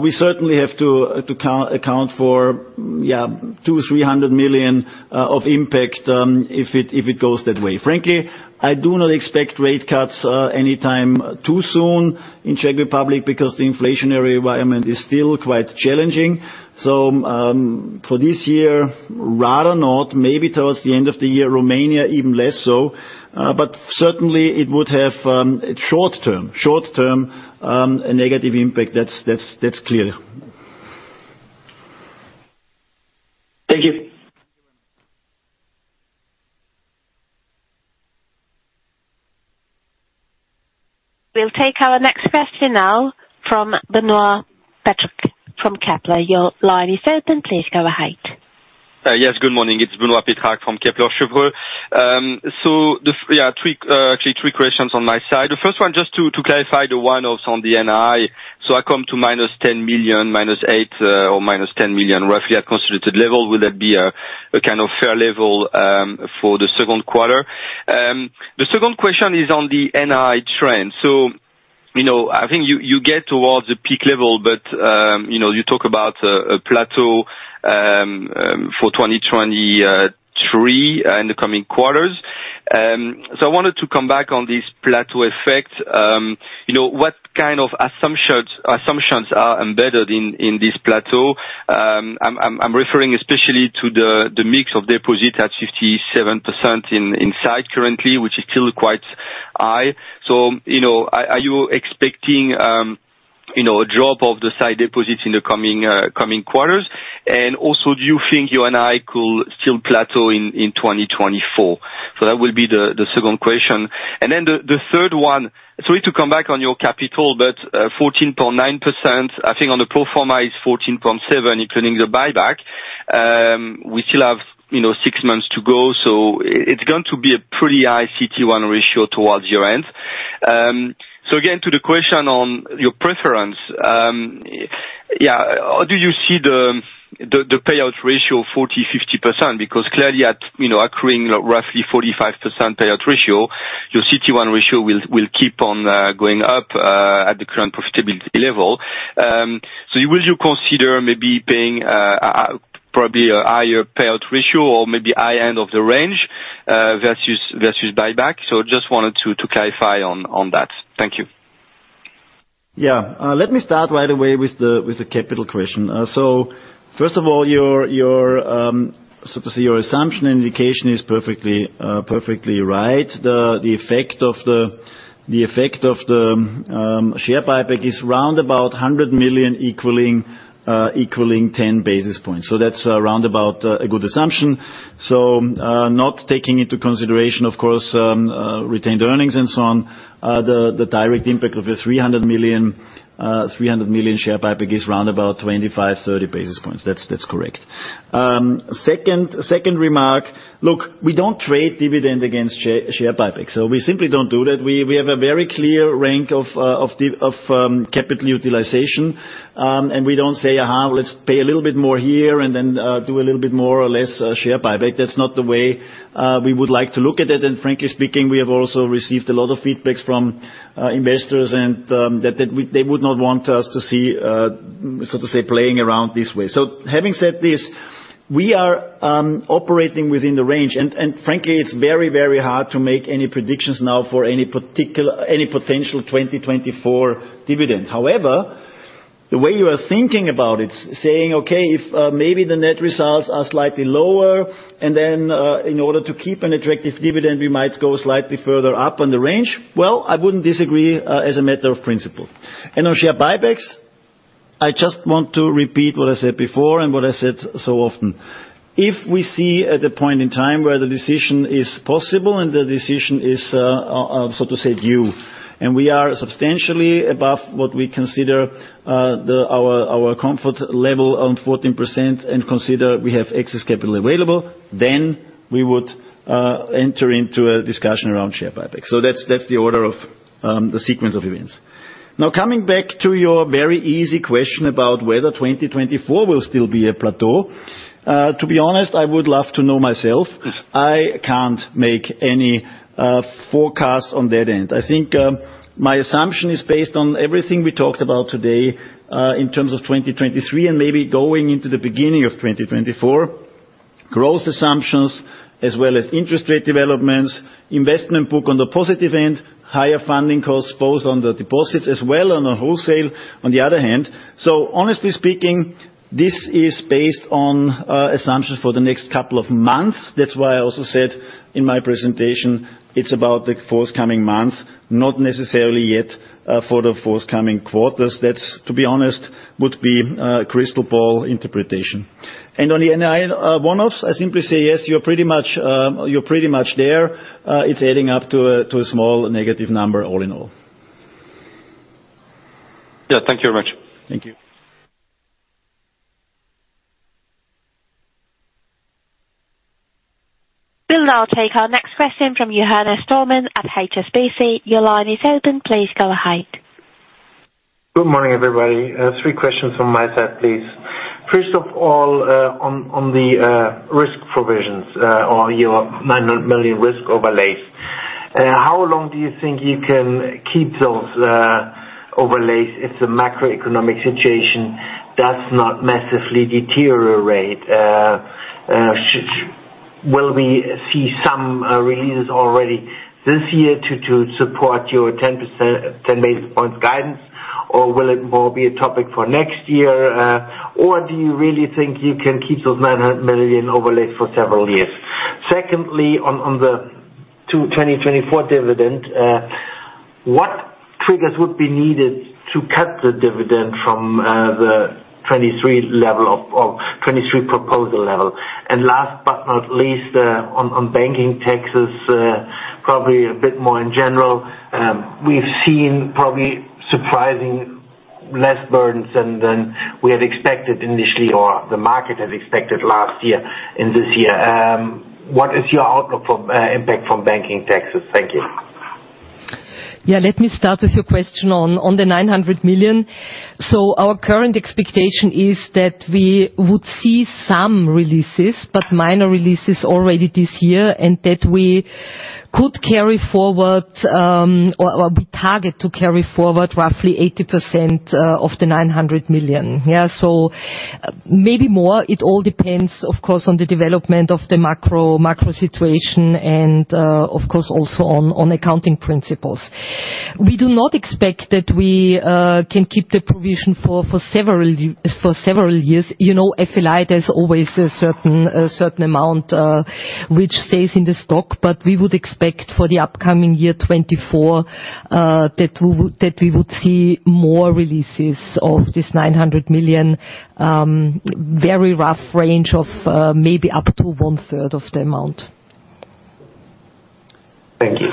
S4: we certainly have to count, account for, yeah, 200,000,000-300,000,000 of impact if it goes that way. Frankly, I do not expect rate cuts anytime too soon in Czech Republic because the inflationary environment is still quite challenging. For this year, rather not, maybe towards the end of the year, Romania, even less so. Certainly it would have a short term, short term negative impact. That's, that's, that's clear.
S7: Thank you.
S1: We'll take our next question now from Benoît Pétrarque from Kepler. Your line is open. Please go ahead. ...
S8: Yes, good morning. It's Benoît Pétrarque from Kepler Cheuvreux. The, yeah, 3, actually 3 questions on my side. The first one, just to clarify the one-offs on the NII. I come to -10,000,000, -8,000,000 or -10,000,000, roughly at constituted level. Will that be a kind of fair level for the second quarter? The second question is on the NII trend. You know, I think you get towards the peak level, but, you know, you talk about a plateau for 2023 in the coming quarters. I wanted to come back on this plateau effect. You know, what kind of assumptions are embedded in this plateau? I'm referring especially to the mix of deposits at 57% in sight currently, which is still quite high. Are you expecting, you know, a drop of the sight deposits in the coming quarters? Also, do you think NII could still plateau in 2024? That will be the second question. The third one, sorry to come back on your capital, but 14.9%, I think on the pro forma is 14.7%, including the buyback. We still have, you know, 6 months to go, so it's going to be a pretty high CET1 ratio towards your end. Again, to the question on your preference, yeah, do you see the payout ratio 40-50%? Because clearly at, you know, accruing roughly 45% payout ratio, your CET1 ratio will, will keep on going up at the current profitability level. Will you consider maybe paying probably a higher payout ratio or maybe high end of the range versus, versus buyback? Just wanted to, to clarify on, on that. Thank you.
S4: Yeah. Let me start right away with the, with the capital question. First of all, your, your, so to say your assumption and indication is perfectly, perfectly right. The, the effect of the, the effect of the share buyback is round about EUR 100,000,000equaling, equaling 10 basis points. That's around about a good assumption. Not taking into consideration, of course, retained earnings and so on, the, the direct impact of a 300,000,000, 300,000,000 share buyback is round about 25, 30 basis points. That's, that's correct. Second, second remark: Look, we don't trade dividend against share buyback, we simply don't do that. We, we have a very clear rank of of capital utilization, we don't say, "Aha, let's pay a little bit more here, then do a little bit more or less share buyback." That's not the way we would like to look at it. Frankly speaking, we have also received a lot of feedbacks from investors, that they would not want us to see so to say playing around this way. Having said this, we are operating within the range, and frankly, it's very, very hard to make any predictions now for any potential 2024 dividend. However, the way you are thinking about it, saying, "Okay, if maybe the net results are slightly lower, then in order to keep an attractive dividend, we might go slightly further up on the range," well, I wouldn't disagree as a matter of principle. On share buybacks, I just want to repeat what I said before and what I said so often. If we see at a point in time where the decision is possible and the decision is so to say due, and we are substantially above what we consider the, our, our comfort level on 14% and consider we have excess capital available, then we would enter into a discussion around share buyback. That's, that's the order of the sequence of events. Coming back to your very easy question about whether 2024 will still be a plateau. To be honest, I would love to know myself. I can't make any forecasts on that end. I think, my assumption is based on everything we talked about today, in terms of 2023 and maybe going into the beginning of 2024, growth assumptions as well as interest rate developments, investment book on the positive end, higher funding costs, both on the deposits as well on the wholesale, on the other hand. Honestly speaking, this is based on assumptions for the next couple of months. That's why I also said in my presentation, it's about the forthcoming months, not necessarily yet, for the forthcoming quarters. That's, to be honest, would be crystal ball interpretation. On the NII, one-offs, I simply say, yes, you're pretty much, you're pretty much there. It's adding up to a, to a small negative number, all in all.
S8: Yeah. Thank you very much.
S4: Thank you.
S1: We'll now take our next question from Johannes Thormann at HSBC. Your line is open. Please go ahead.
S9: Good morning, everybody. three questions from my side, please. First of all, on, on the risk provisions, or your EUR 900risk overlays. How long do you think you can keep those overlays if the macroeconomic situation does not massively deteriorate? Will we see some releases already this year to, to support your 10%, 10 basis points guidance, or will it more be a topic for next year? Or do you really think you can keep those 900,000,000 overlays for several years? Secondly, on, on the 2024 dividend, what triggers would be needed to cut the dividend from the 2023 level of, of, 2023 proposal level? And last but not least, on, on banking taxes, probably a bit more in general, we've seen probably surprising- ...less burdens than, than we had expected initially, or the market had expected last year and this year. What is your outlook from impact from banking taxes? Thank you.
S5: Let me start with your question on the 900,000,000. Our current expectation is that we would see some releases, but minor releases already this year, and that we could carry forward, or, or we target to carry forward roughly 80%, of the 900,000,000. Maybe more. It all depends, of course, on the development of the macro, macro situation and, of course, also on, on accounting principles. We do not expect that we can keep the provision for, for several y- for several years. You know, FLI, there's always a certain, a certain amount, which stays in the stock, but we would expect for the upcoming year 2024, that we would, that we would see more releases of this 900,000,000, very rough range of, maybe up to 1/3 of the amount.
S9: Thank you.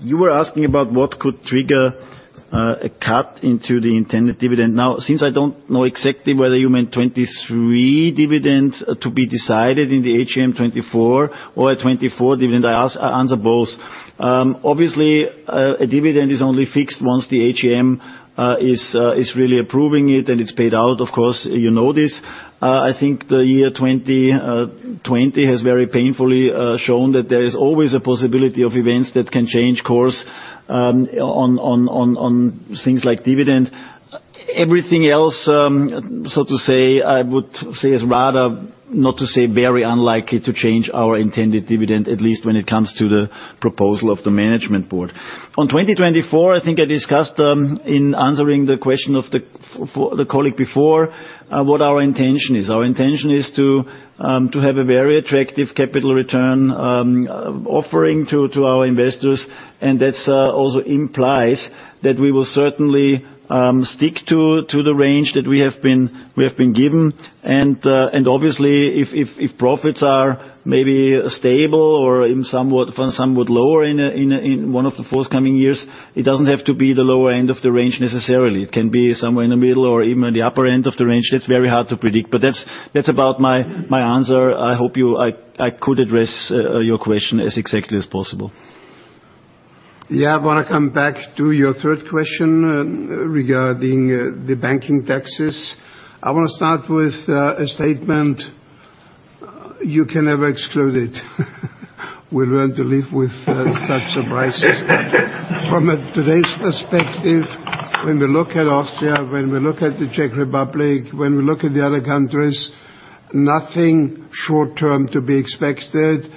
S4: You were asking about what could trigger a cut into the intended dividend. Since I don't know exactly whether you meant 23 dividend to be decided in the AGM 2024 or a 2024 dividend, I ask, answer both. Obviously, a dividend is only fixed once the AGM is really approving it and it's paid out. Of course, you know this. I think the year 2020 has very painfully shown that there is always a possibility of events that can change course on things like dividend. Everything else, so to say, I would say, is rather, not to say, very unlikely to change our intended dividend, at least when it comes to the proposal of the management board. On 2024, I think I discussed in answering the question of the colleague before what our intention is. Our intention is to have a very attractive capital return offering to our investors, and that's also implies that we will certainly stick to the range that we have been given. Obviously, if profits are maybe stable or somewhat lower in one of the forthcoming years, it doesn't have to be the lower end of the range necessarily. It can be somewhere in the middle or even in the upper end of the range. That's very hard to predict, but that's about my answer. I hope you I could address your question as exactly as possible.
S3: Yeah, I want to come back to your third question regarding the banking taxes. I want to start with a statement. You can never exclude it. We learn to live with such surprises. From a today's perspective, when we look at Austria, when we look at the Czech Republic, when we look at the other countries, nothing short term to be expected.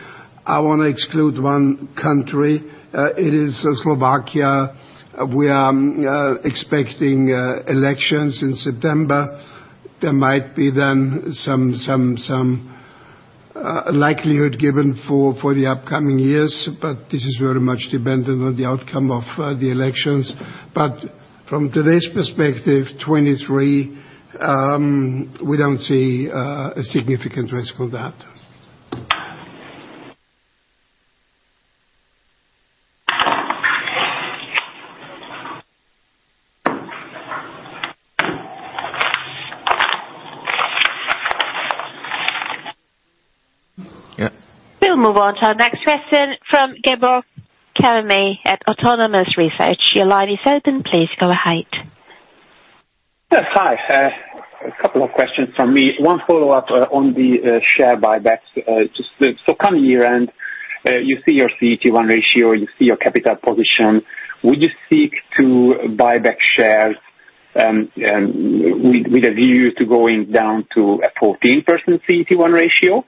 S3: I want to exclude one country, it is Slovakia. We are expecting elections in September. There might be then some likelihood given for the upcoming years, this is very much dependent on the outcome of the elections. From today's perspective, 2023, we don't see a significant risk on that.
S1: We'll move on to our next question from Gábor Kemeny at Autonomous Research. Your line is open. Please go ahead.
S10: Hi. A couple of questions from me. One follow-up on the share buybacks. Coming year-end, you see your CET1 ratio, you see your capital position, would you seek to buy back shares with a view to going down to a 14% CET1 ratio?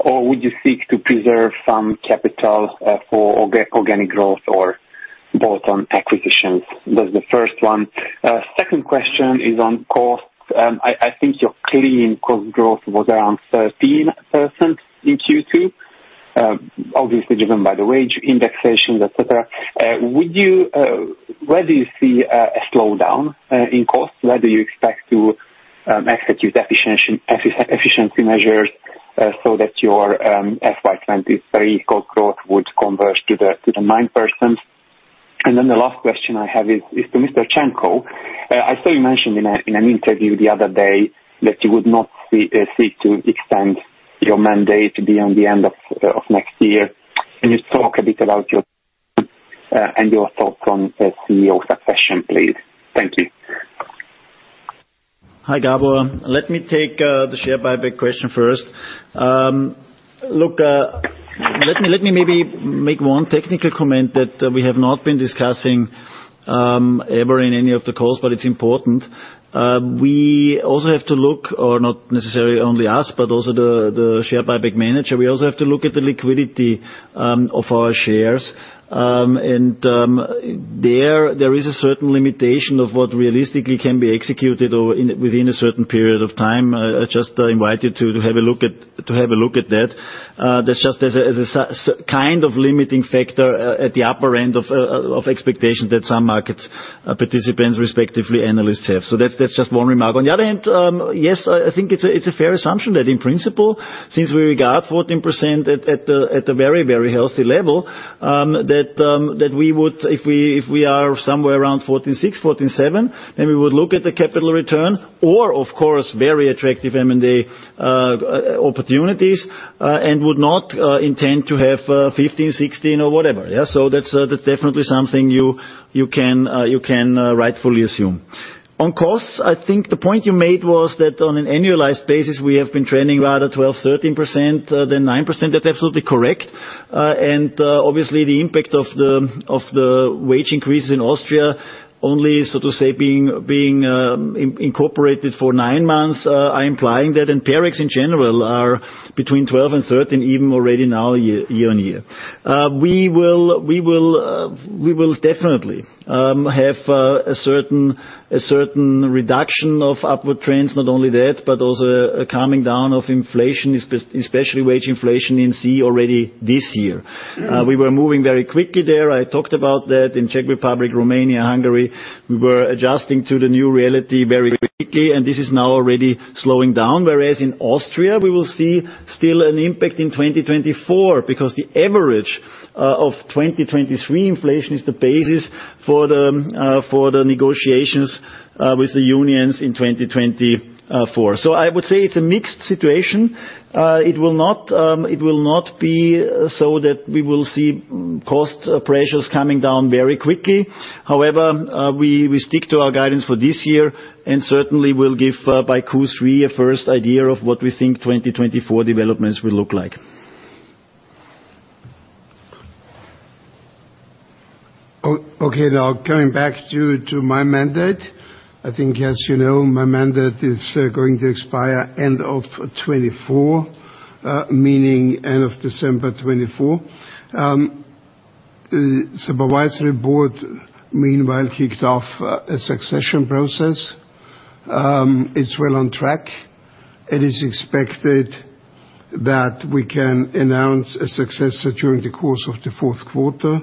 S10: Or would you seek to preserve some capital for organic growth or bolt-on acquisitions? That's the first one. Second question is on costs. I, I think your clean cost growth was around 13% in Q2, obviously driven by the wage indexations, et cetera. Would you... Where do you see a slowdown in costs? Where do you expect to execute efficiency, efficiency measures so that your FY 2023 cost growth would converge to the 9%? Then the last question I have is to Willi Cernko. I saw you mentioned in an interview the other day, that you would not seek to extend your mandate beyond the end of next year. Can you talk a bit about your and your thoughts on the CEO succession, please? Thank you.
S4: Hi, Gábor. Let me take the share buyback question first. Look, let me, let me maybe make one technical comment that we have not been discussing ever in any of the calls, but it's important. We also have to look, or not necessarily only us, but also the, the share buyback manager. We also have to look at the liquidity of our shares. There, there is a certain limitation of what realistically can be executed or within a certain period of time. I just invite you to, to have a look at, to have a look at that. That's just as a, as a so, kind of limiting factor at the upper end of expectation that some markets, participants, respectively, analysts have. That's, that's just one remark. On the other hand, yes, I think it's a fair assumption that in principle, since we regard 14% at a very, very healthy level, that we would if we are somewhere around 14.6%, 14.7%, then we would look at the capital return or of course, very attractive M&A opportunities, and would not intend to have 15%, 16% or whatever. Yeah, that's definitely something you can rightfully assume. On costs, I think the point you made was that on an annualized basis, we have been trending rather 12%-13%, than 9%. That's absolutely correct. Obviously, the impact of the wage increases in Austria only, so to say, being, being incorporated for 9 months, implying that, and Perex in general are between 12 and 13, even already now year-on-year. We will, we will, we will definitely have a certain, a certain reduction of upward trends, not only that, but also a calming down of inflation, especially wage inflation in CEE already this year. We were moving very quickly there. I talked about that in Czech Republic, Romania, Hungary. We were adjusting to the new reality very quickly, and this is now already slowing down. Whereas in Austria, we will see still an impact in 2024, because the average of 2023 inflation is the basis for the negotiations with the unions in 2024. I would say it's a mixed situation. It will not, it will not be so that we will see, cost pressures coming down very quickly. However, we, we stick to our guidance for this year, and certainly we'll give, by Q3, a first idea of what we think 2024 developments will look like.
S3: Okay, now, coming back to my mandate, I think, as you know, my mandate is going to expire end of 2024, meaning end of December 2024. The supervisory board, meanwhile, kicked off a succession process. It's well on track. It is expected that we can announce a successor during the course of the fourth quarter.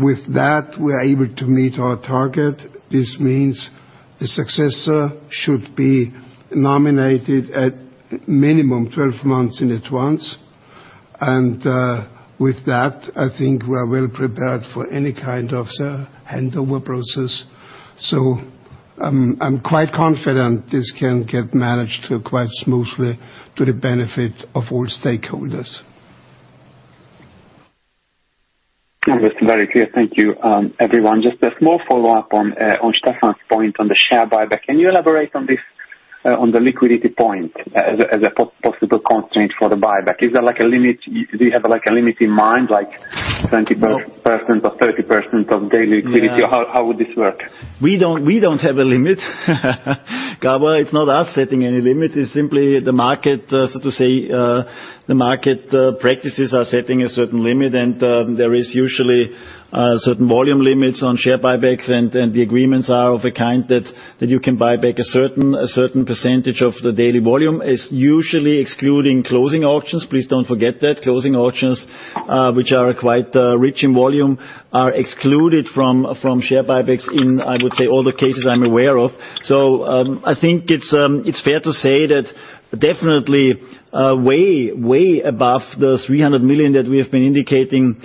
S3: With that, we are able to meet our target. This means the successor should be nominated at minimum 12 months in advance. With that, I think we're well prepared for any kind of handover process. I'm quite confident this can get managed quite smoothly to the benefit of all stakeholders.
S10: That was very clear. Thank you, everyone. Just a small follow-up on Stefan's point on the share buyback. Can you elaborate on this on the liquidity point as a, as a possible constraint for the buyback? Is there like a limit? Do you have, like, a limit in mind, like 20% or 30% of daily activity? Or how, how would this work?
S4: We don't, we don't have a limit. Well, it's not us setting any limit, it's simply the market, so to say, the market practices are setting a certain limit, and there is usually certain volume limits on share buybacks, and the agreements are of a kind that you can buy back a certain, a certain percentage of the daily volume. It's usually excluding closing auctions. Please don't forget that. Closing auctions, which are quite rich in volume, are excluded from, from share buybacks in, I would say, all the cases I'm aware of. I think it's, it's fair to say that definitely, way, way above the 300,000,000 that we have been indicating,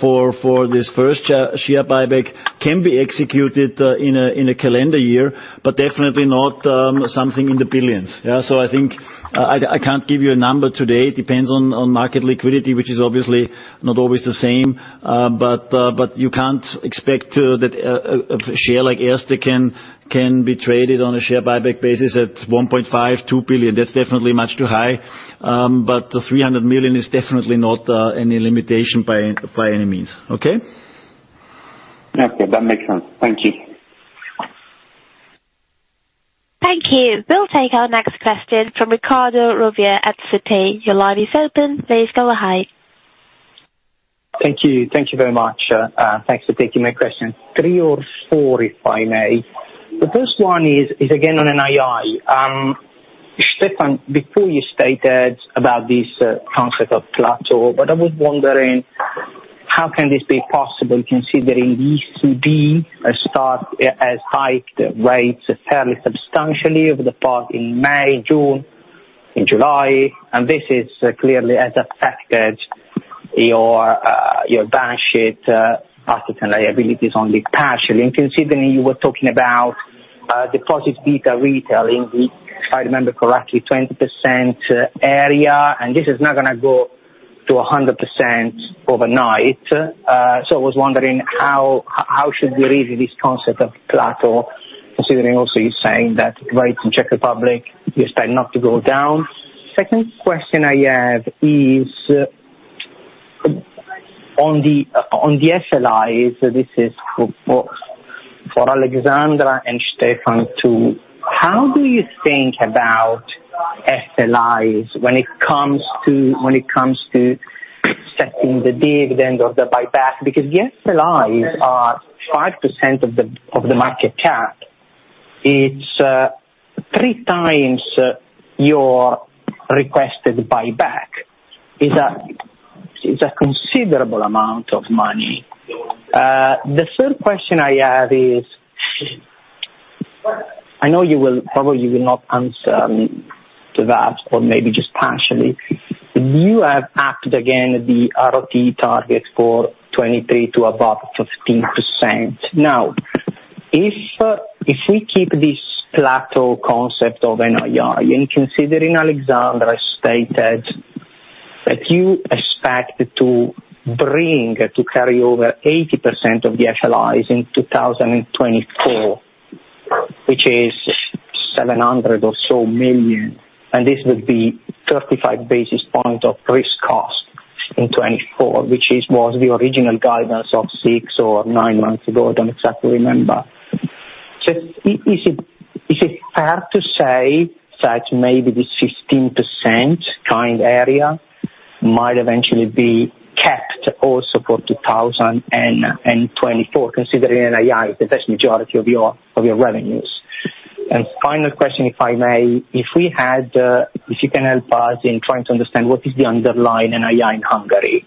S4: for, for this first share buyback, can be executed, in a, in a calendar year, but definitely not, something in the billions. Yeah, I think, I, I can't give you a number today. It depends on, on market liquidity, which is obviously not always the same, but, but you can't expect, that, a, a share like Erste can, can be traded on a share buyback basis at 1,500,000,000-2,000,000,000. That's definitely much too high, but the EUR 300,000,000is definitely not, any limitation by, by any means. Okay?
S10: Okay, that makes sense. Thank you.
S1: Thank you. We'll take our next question from Riccardo Rovere at Citi. Your line is open. Please go ahead.
S11: Thank you. Thank you very much. Thanks for taking my question. Three or four, if I may. The first one is again on NII. Stefan, before you stated about this concept of plateau, but I was wondering, how can this be possible, considering ECB has hiked rates fairly substantially over the part in May, June, in July, and this is clearly has affected your balance sheet, asset and liabilities only partially. Considering you were talking about deposit beta retail in the, if I remember correctly, 20% area, and this is not gonna go to 100% overnight. I was wondering how should we read this concept of plateau, considering also you're saying that rates in Czech Republic, you expect not to go down. Second question I have is, on the FLIs, this is for Alexandra and Stefan, too. How do you think about FLIs when it comes to, when it comes to accepting the dividend or the buyback? Because the FLIs are 5% of the market cap. It's 3 times your requested buyback. It's a considerable amount of money. The third question I have is... I know you will, probably you will not answer to that, or maybe just partially. You have upped again the ROTE target for 2023 to above 15%. Now, if we keep this plateau concept of NII, and considering Alexandra stated-... You expect to bring, to carry over 80% of the FLIs in 2024, which is 700,000,000 or so, and this would be 35 basis points of risk cost in 2024, which is, was the original guidance of 6 or 9 months ago, I don't exactly remember. Is it fair to say that maybe the 16% kind area might eventually be kept also for 2024, considering NII, the vast majority of your, of your revenues? Final question, if I may, if you can help us in trying to understand what is the underlying NII in Hungary,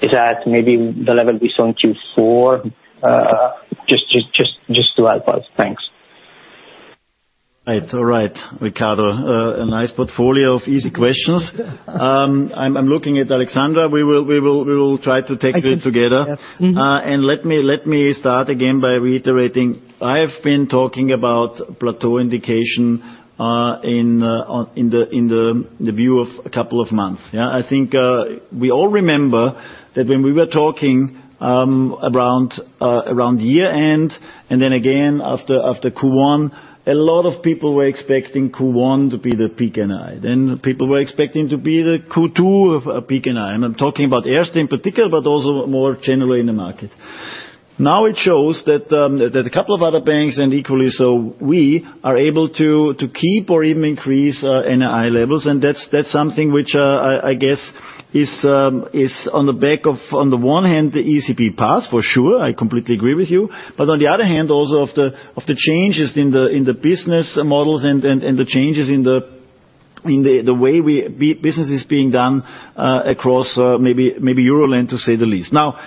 S11: is that maybe the level we saw in Q4? To help us. Thanks.
S4: Right. All right, Riccardo, a nice portfolio of easy questions. I'm, I'm looking at Alexandra. We will, we will, we will try to take it together.
S5: Yes.
S4: Let me, let me start again by reiterating, I have been talking about plateau indication in on in the in the the view of a couple of months. Yeah, I think, we all remember that when we were talking around around year-end, and then again, after, after Q1, a lot of people were expecting Q1 to be the peak NII. People were expecting to be the Q2 of peak NII. I'm talking about Erste in particular, but also more generally in the market. Now, it shows that a couple of other banks, and equally so we, are able to, to keep or even increase NII levels, and that's, that's something which, I, I guess is on the back of, on the one hand, the ECB path, for sure, I completely agree with you. On the other hand, also of the, of the changes in the, in the business models and, and, and the changes in the, in the, the way we business is being done across maybe, maybe Euro land, to say the least. Now,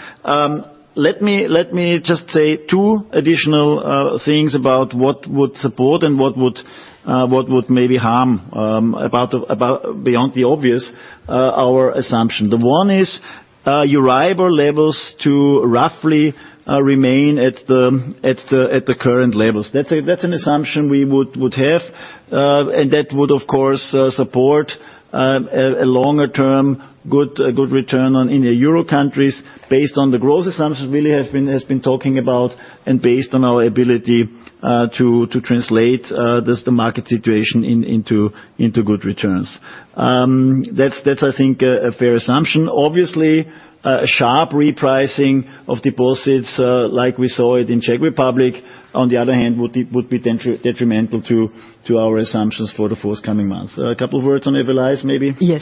S4: let me, let me just say 2 additional things about what would support and what would, what would maybe harm about the, about, beyond the obvious, our assumption. The one is, EURIBOR levels to roughly remain at the, at the, at the current levels. That's a, that's an assumption we would, would have, and that would, of course, support, a, a longer term, good, a good return on in the Euro countries, based on the growth assumptions Willi Cernko have been, has been talking about, and based on our ability, to, to translate, this, the market situation in, into, into good returns. That's, that's, I think, a, a fair assumption. Obviously, a, a sharp repricing of deposits, like we saw it in Czech Republic, on the other hand, would be, would be detrimental to, to our assumptions for the forthcoming months. A couple of words on FLIs, maybe?
S5: Yes.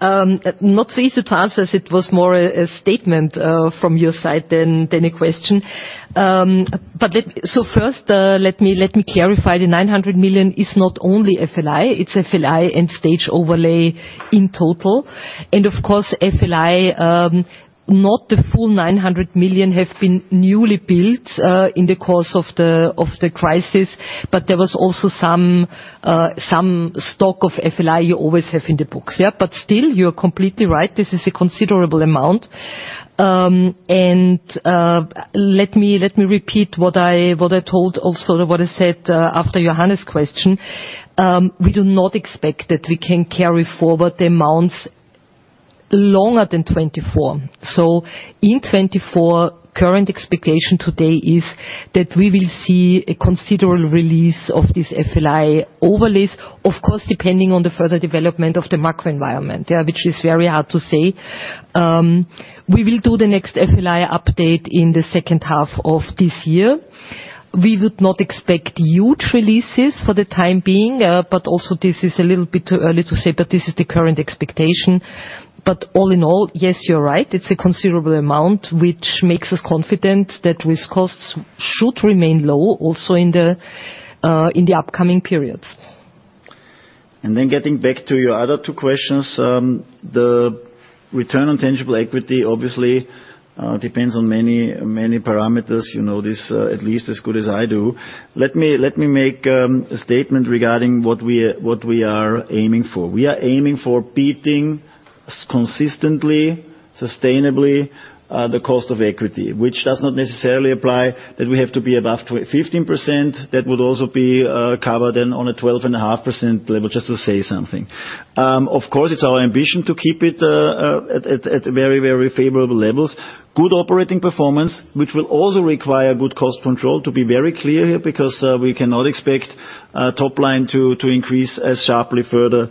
S5: Not so easy to answer as it was more a statement from your side than a question. Let me clarify, the 900,000,000 is not only FLI, it's FLI and Stage overlay in total. Of course, FLI, not the full 900,000,000 have been newly built in the course of the crisis, but there was also some stock of FLI you always have in the books. Yeah, still, you're completely right, this is a considerable amount. Let me repeat what I, what I told, also what I said after Johannes' question. We do not expect that we can carry forward the amounts longer than 2024. In 2024, current expectation today is that we will see a considerable release of this FLI overlays, of course, depending on the further development of the macro environment, yeah, which is very hard to say. We will do the next FLI update in the second half of this year. We would not expect huge releases for the time being, but also this is a little bit too early to say, but this is the current expectation. All in all, yes, you're right, it's a considerable amount, which makes us confident that risk costs should remain low also in the upcoming periods.
S4: Then getting back to your other two questions, the return on tangible equity obviously depends on many, many parameters. You know this, at least as good as I do. Let me, let me make a statement regarding what we are, what we are aiming for. We are aiming for beating consistently, sustainably, the cost of equity, which does not necessarily apply that we have to be above 15%. That would also be covered in on a 12.5% level, just to say something. Of course, it's our ambition to keep it at very, very favorable levels. Good operating performance, which will also require good cost control, to be very clear here, because we cannot expect top line to increase as sharply further,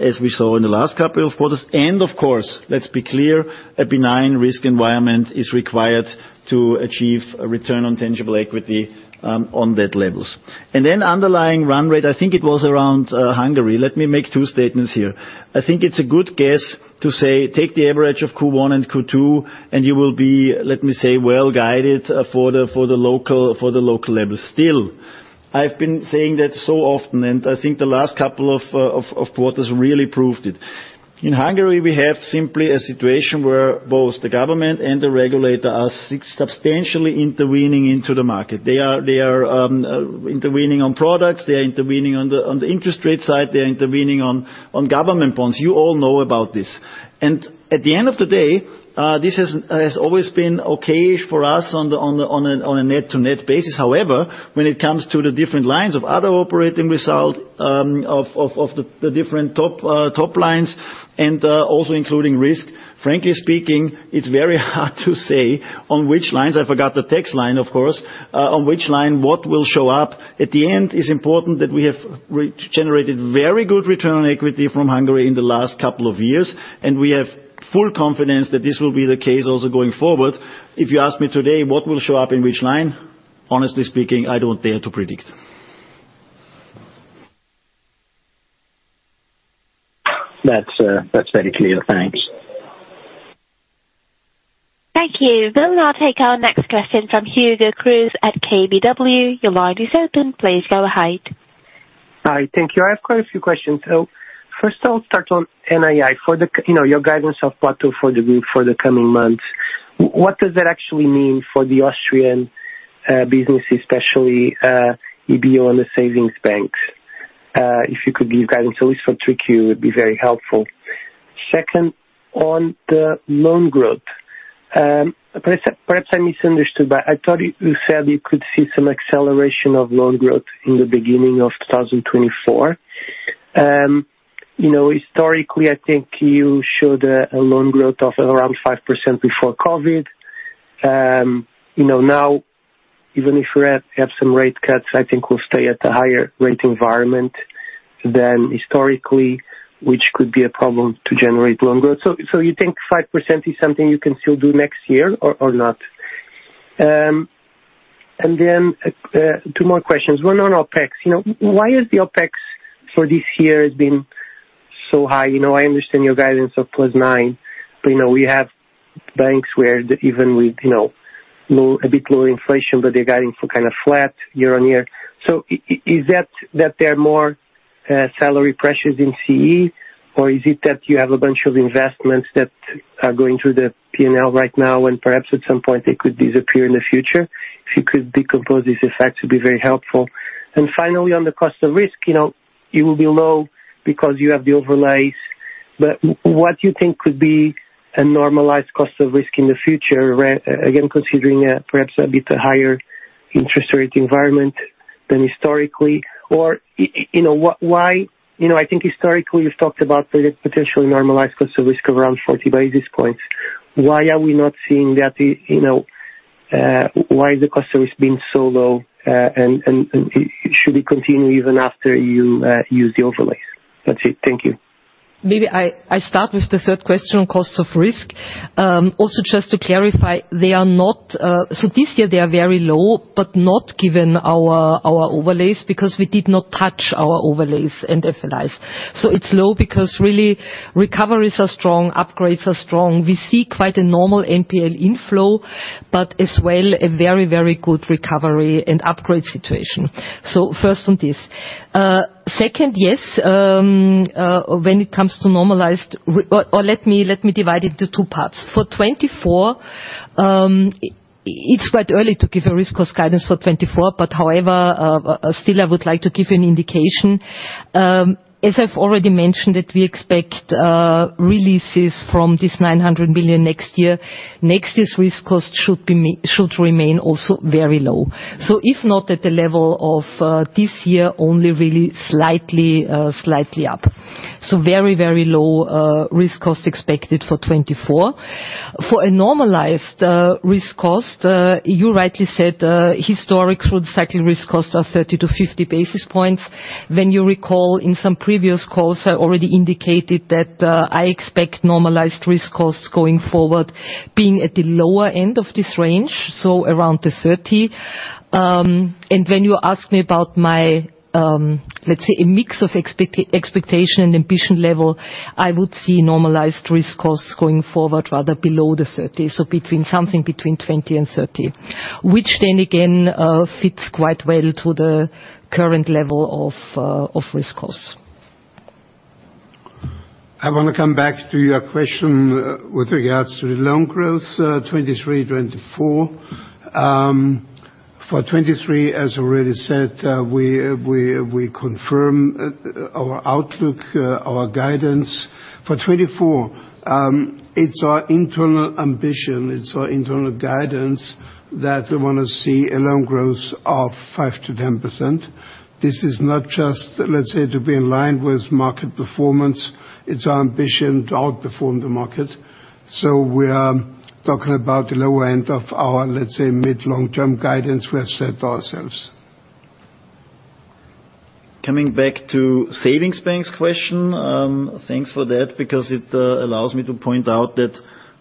S4: as we saw in the last couple of quarters. Of course, let's be clear, a benign risk environment is required to achieve a return on tangible equity on that levels. Then underlying run rate, I think it was around Hungary. Let me make two statements here. I think it's a good guess to say, take the average of Q1 and Q2, and you will be, let me say, well guided for the, for the local, for the local level. Still, I've been saying that so often, and I think the last couple of, of, of quarters really proved it. In Hungary, we have simply a situation where both the government and the regulator are substantially intervening into the market. They are, they are, intervening on products, they are intervening on the, on the interest rate side, they are intervening on, on government bonds. You all know about this. At the end of the day, this has, has always been okay for us on the, on a, on a net-to-net basis. However, when it comes to the different lines of other operating result, of, of, of the, the different top, top lines and, also including risk, frankly speaking, it's very hard to say on which lines, I forgot the tax line, of course, on which line, what will show up. At the end, it's important that we have re-generated very good return on equity from Hungary in the last couple of years, and we have full confidence that this will be the case also going forward. If you ask me today, what will show up in which line? Honestly speaking, I don't dare to predict. That's, that's very clear. Thanks.
S1: Thank you. We'll now take our next question from Hugo Cruz at KBW. Your line is open. Please go ahead.
S12: Hi, thank you. I have quite a few questions. First, I'll start on NII. For the you know, your guidance of plateau for the group for the coming months, what does that actually mean for the Austrian business, especially EBÖ on the savings banks? If you could give guidance at least for 3Q, it would be very helpful. Second, on the loan growth, perhaps I, perhaps I misunderstood, but I thought you said you could see some acceleration of loan growth in the beginning of 2024. You know, historically, I think you showed a, a loan growth of around 5% before COVID. You know, now, even if we have, have some rate cuts, I think we'll stay at the higher rate environment than historically, which could be a problem to generate loan growth. So you think 5% is something you can still do next year or, or not? Then, two more questions. One on OpEx. You know, why is the OpEx for this year has been so high? You know, I understand your guidance of +9%, but, you know, we have banks where even with, you know, low, a bit lower inflation, but they're guiding for kind of flat year-on-year. Is that, that there are more salary pressures in CE, or is it that you have a bunch of investments that are going through the P&L right now, and perhaps at some point they could disappear in the future? If you could decompose this effect, it would be very helpful. Finally, on the cost of risk, you know, you will be low because you have the overlays. What you think could be a normalized cost of risk in the future, again, considering a perhaps a bit higher interest rate environment than historically, or, you know, Why? You know, I think historically, you've talked about the potentially normalized cost of risk around 40 basis points. Why are we not seeing that, you know, why is the cost of risk being so low, and should it continue even after you use the overlays? That's it. Thank you.
S5: Maybe I, I start with the third question, cost of risk. Also, just to clarify, they are not... This year, they are very low, but not given our, our overlays, because we did not touch our overlays and FLIF. It's low because really, recoveries are strong, upgrades are strong. We see quite a normal NPL inflow, as well, a very, very good recovery and upgrade situation. First on this. Second, yes, when it comes to normalized or let me, let me divide it into two parts. For 2024, it's quite early to give a risk cost guidance for 2024, however, still, I would like to give you an indication. As I've already mentioned, that we expect releases from this EUR 900,000,000,000next year. This risk cost should remain also very low. If not at the level of this year, only really slightly, slightly up. Very, very low risk cost expected for 2024. For a normalized risk cost, you rightly said, historic through the cycle risk costs are 30 to 50 basis points. When you recall in some previous calls, I already indicated that I expect normalized risk costs going forward being at the lower end of this range, so around the 30. When you ask me about my, let's say, a mix of expectation and ambition level, I would see normalized risk costs going forward rather below the 30, so between something between 20 and 30, which then again, fits quite well to the current level of risk costs.
S4: I want to come back to your question with regards to the loan growth, 2023, 2024. For 2023, as already said, we, we, we confirm our outlook, our guidance. For 2024, it's our internal ambition, it's our internal guidance that we wanna see a loan growth of 5%-10%. This is not just, let's say, to be in line with market performance, it's our ambition to outperform the market. We are talking about the lower end of our, let's say, mid-long term guidance we have set for ourselves. Coming back to savings banks question, thanks for that, because it allows me to point out that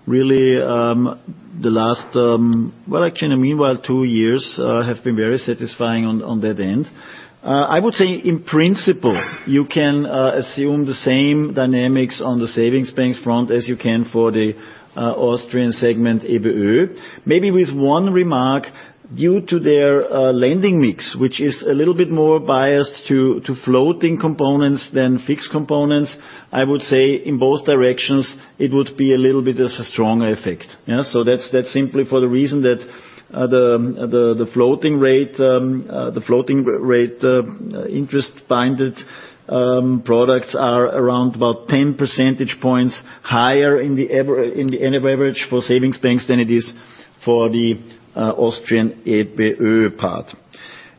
S4: really, the last, well, actually, meanwhile, 2 years have been very satisfying on, on that end. I would say in principle, you can assume the same dynamics on the savings banks front as you can for the Austrian segment, EBÖ. Maybe with one remark, due to their lending mix, which is a little bit more biased to, to floating components than fixed components, I would say in both directions, it would be a little bit of a stronger effect. That's simply for the reason that the floating rate interest-binded products are around about 10 percentage points higher in the average for savings banks than it is for the Austrian ep part.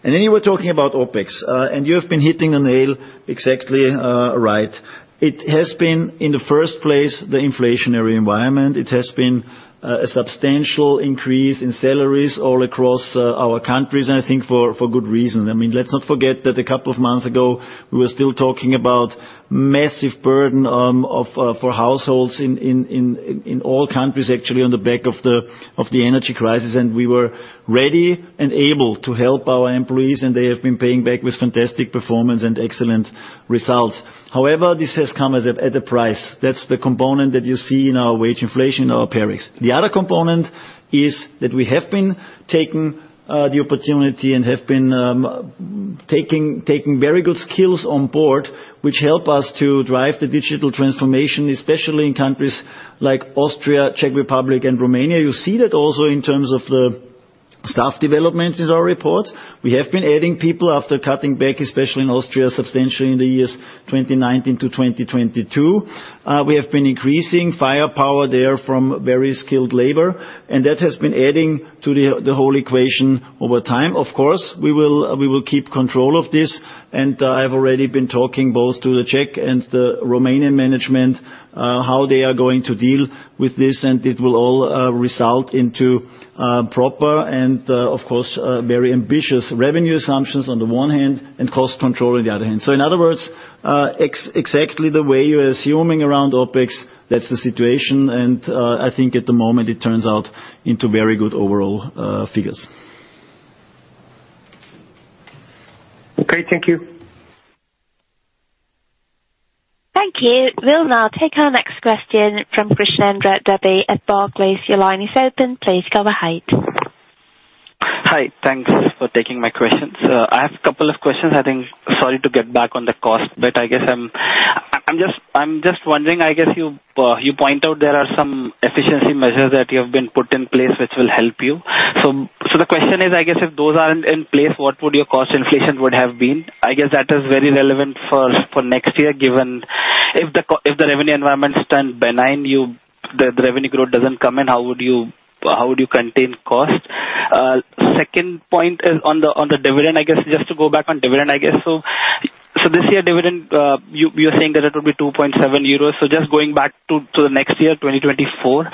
S4: You were talking about OpEx, and you have been hitting the nail exactly right. It has been, in the first place, the inflationary environment. It has been a substantial increase in salaries all across our countries, and I think for, for good reason. I mean, let's not forget that a couple of months ago, we were still talking about massive burden of for households in, in, in, in, in all countries, actually, on the back of the, of the energy crisis. We were ready and able to help our employees, and they have been paying back with fantastic performance and excellent results. However, this has come at a price. That's the component that you see in our wage inflation, our OpEx. The other component is that we have been taking the opportunity and have been taking, taking very good skills on board, which help us to drive the digital transformation, especially in countries like Austria, Czech Republic and Romania. You see that also in terms of the staff developments in our reports. We have been adding people after cutting back, especially in Austria, substantially in the years 2019 to 2022. We have been increasing firepower there from very skilled labor, and that has been adding to the, the whole equation over time. Of course, we will, we will keep control of this, and I've already been talking both to the Czech and the Romanian management, how they are going to deal with this, and it will all result into proper and, of course, very ambitious revenue assumptions on the one hand and cost control on the other hand. In other words, exactly the way you're assuming around OpEx, that's the situation, and I think at the moment it turns out into very good overall figures.
S12: Okay, thank you.
S1: Thank you. We'll now take our next question from Krishnendra Dubey at Barclays. Your line is open. Please go ahead.
S13: Hi. Thanks for taking my questions. I have a couple of questions. I think sorry to get back on the cost, but I guess I'm, I'm just, I'm just wondering, I guess you, you point out there are some efficiency measures that you have been put in place which will help you. The question is, I guess, if those aren't in place, what would your cost inflation would have been? I guess that is very relevant for, for next year, given if the revenue environment stand benign, the, the revenue growth doesn't come in, how would you, how would you contain cost? Second point is on the, on the dividend, I guess, just to go back on dividend, I guess so. This year dividend, you, you're saying that it will be 2.7 euros. Just going back to, to the next year, 2024,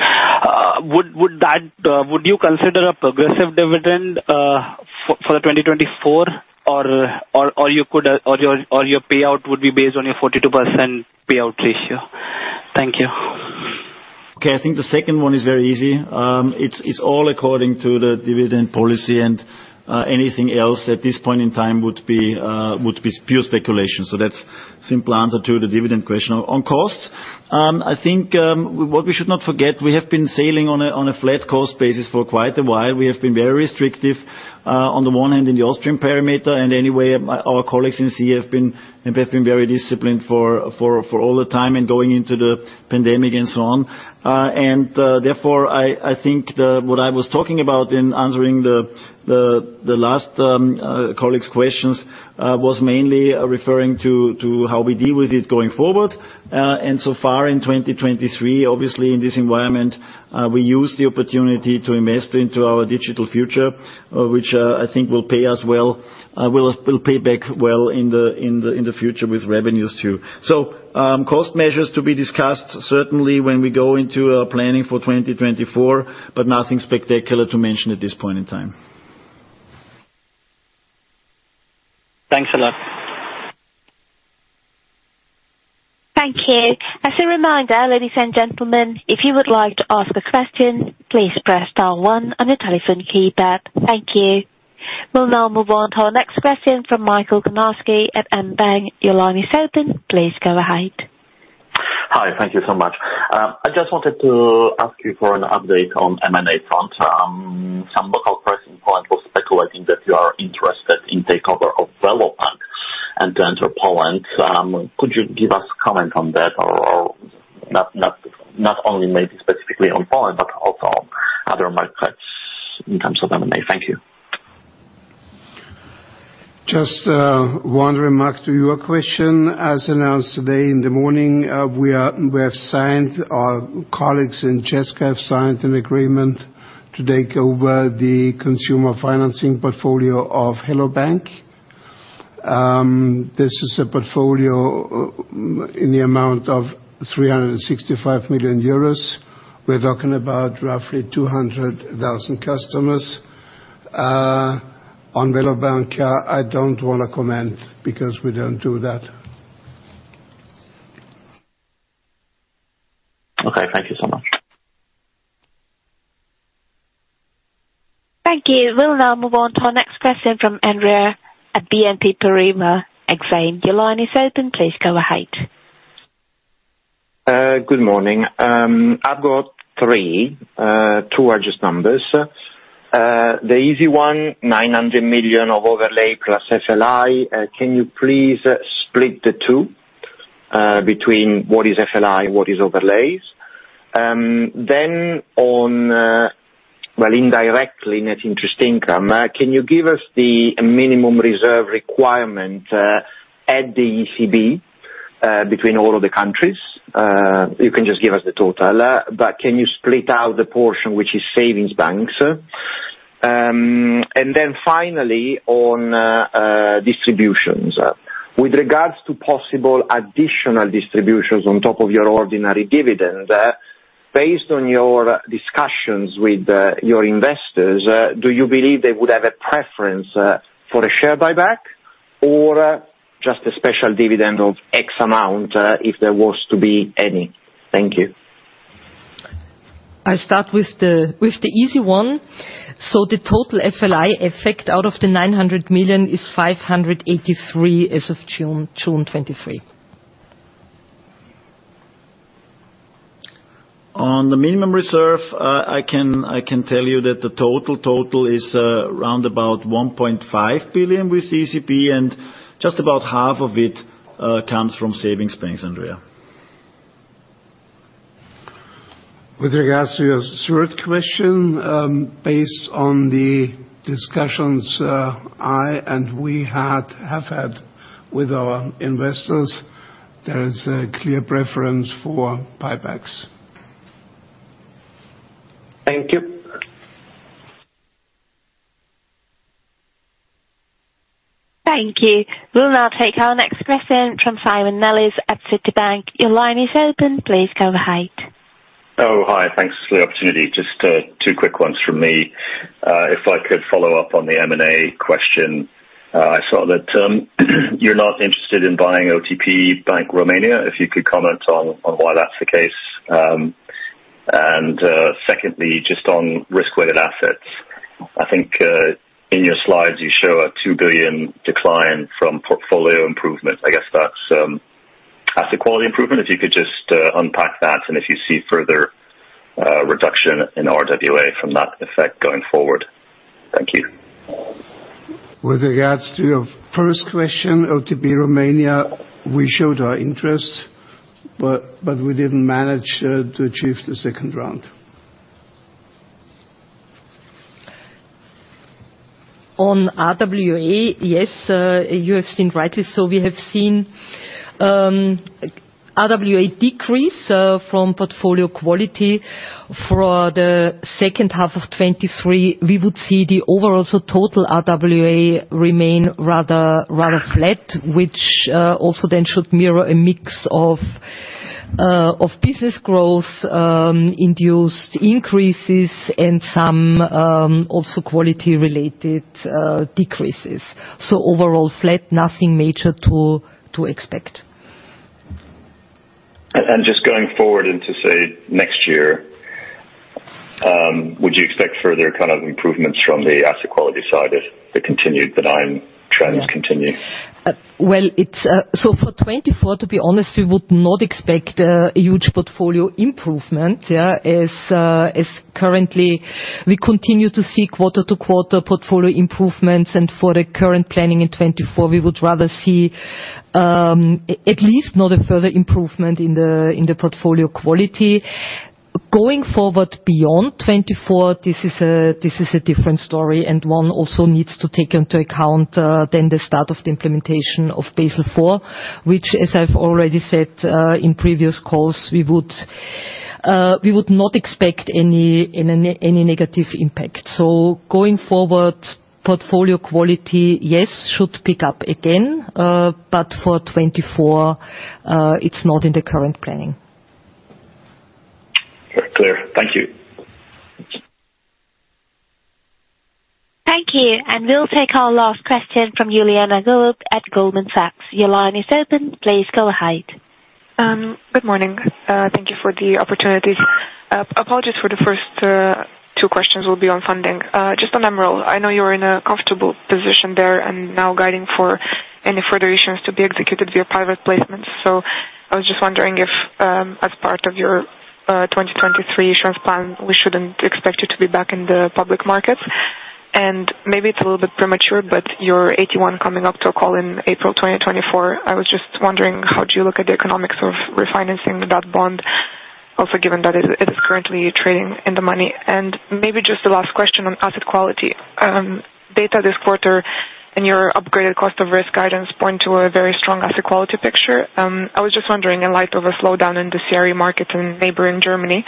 S13: would, would that, would you consider a progressive dividend, for, for the 2024, or, or, or you could, or your, or your payout would be based on your 42% payout ratio? Thank you.
S4: Okay, I think the second one is very easy. It's all according to the dividend policy, and anything else at this point in time would be pure speculation. That's simple answer to the dividend question. On costs, I think, what we should not forget, we have been sailing on a flat cost basis for quite a while. We have been very restrictive, on the one hand, in the Austrian parameter, and anyway, our colleagues in CEE have been very disciplined for all the time and going into the pandemic and so on. Therefore, what I was talking about in answering the last colleague's questions, was mainly referring to how we deal with it going forward. So far in 2023, obviously in this environment, we use the opportunity to invest into our digital future, which I think will pay us well, will, will pay back well in the, in the, in the future with revenues, too. Cost measures to be discussed, certainly when we go into planning for 2024, but nothing spectacular to mention at this point in time.
S13: Thanks a lot.
S1: Thank you. As a reminder, ladies and gentlemen, if you would like to ask a question, please press star 1 on your telephone keypad. Thank you. We'll now move on to our next question from Michał Konarski at mBank. Your line is open. Please go ahead.
S14: Hi. Thank you so much. I just wanted to ask you for an update on M&A front. Some local pricing point was speculating that you are interested in takeover of VeloBank and to enter Poland. Could you give us comment on that or, or not, not, not only maybe specifically on Poland, but also other markets in terms of M&A? Thank you.
S3: Just one remark to your question. As announced today in the morning, we are- we have signed, our colleagues in Česká have signed an agreement to take over the consumer financing portfolio of Hello bank!. This is a portfolio in the amount of 365,000,000 euros. We're talking about roughly 200,000 customers. On VeloBank, I don't wanna comment because we don't do that.
S14: Okay, thank you so much.
S1: Thank you. We'll now move on to our next question from Andrea at BNP Paribas Exane. Your line is open. Please go ahead.
S15: Good morning. I've got three, two are just numbers. The easy one, 900,000,000 of overlay plus FLI. Can you please split the two, between what is FLI and what is overlays. Then on, well, indirectly, net interest income, can you give us the minimum reserve requirement at the ECB between all of the countries? You can just give us the total, but can you split out the portion which is savings banks? Then finally, on distributions. With regards to possible additional distributions on top of your ordinary dividend, based on your discussions with your investors, do you believe they would have a preference for a share buyback, or just a special dividend of X amount, if there was to be any? Thank you.
S5: I'll start with the, with the easy one. The total FLI effect out of the 900,000,000 is 583,000,000 as of June, June 2023.
S4: On the minimum reserve, I can, I can tell you that the total, total is, around about 1,500,000,000 with ECB, and just about half of it comes from savings banks, Andrea.
S3: With regards to your third question, based on the discussions, I and we had-- have had with our investors, there is a clear preference for buybacks.
S15: Thank you.
S1: Thank you. We'll now take our next question from Simon Nellis at Citibank. Your line is open. Please go ahead.
S16: Oh, hi. Thanks for the opportunity. Just two quick ones from me. If I could follow up on the M&A question, I saw that you're not interested in buying OTP Bank România. If you could comment on, on why that's the case. Secondly, just on risk-weighted assets. I think in your slides, you show a 2,000,000,000 decline from portfolio improvement. I guess that's asset quality improvement, if you could just unpack that, and if you see further reduction in RWA from that effect going forward. Thank you.
S3: With regards to your first question, OTP, România, we showed our interest, but we didn't manage to achieve the second round.
S5: On RWA, yes, you have seen rightly so. We have seen RWA decrease from portfolio quality. For the second half of 2023, we would see the overall, so total RWA remain rather, rather flat, which also then should mirror a mix of business growth induced increases and some also quality-related decreases. Overall flat, nothing major to, to expect.
S16: Just going forward into, say, next year, would you expect further kind of improvements from the asset quality side if the continued decline trends continue?
S5: Well, it's... For 2024, to be honest, we would not expect a, a huge portfolio improvement, yeah, as currently we continue to see quarter-to-quarter portfolio improvements, and for the current planning in 2024, we would rather see, at least not a further improvement in the, in the portfolio quality. Going forward beyond 2024, this is a, this is a different story, and one also needs to take into account, then the start of the implementation of Basel IV, which, as I've already said, in previous calls, we would, we would not expect any, any, any negative impact. Going forward, portfolio quality, yes, should pick up again, but for 2024, it's not in the current planning.
S16: Clear. Thank you.
S1: Thank you. We'll take our last question from Johannes Thormann at Goldman Sachs. Your line is open. Please go ahead.
S17: Good morning. Thank you for the opportunity. Apologies for the first two questions will be on funding. Just on MREL, I know you're in a comfortable position there and now guiding for any further issues to be executed via private placements. I was just wondering if, as part of your 2023 insurance plan, we shouldn't expect you to be back in the public markets? Maybe it's a little bit premature, but your AT1 coming up to a call in April 2024. I was just wondering, how do you look at the economics of refinancing that bond, also given that it's currently trading in the money? Maybe just the last question on asset quality. Data this quarter and your upgraded cost of risk guidance point to a very strong asset quality picture. I was just wondering, in light of a slowdown in the CRE markets and neighboring Germany,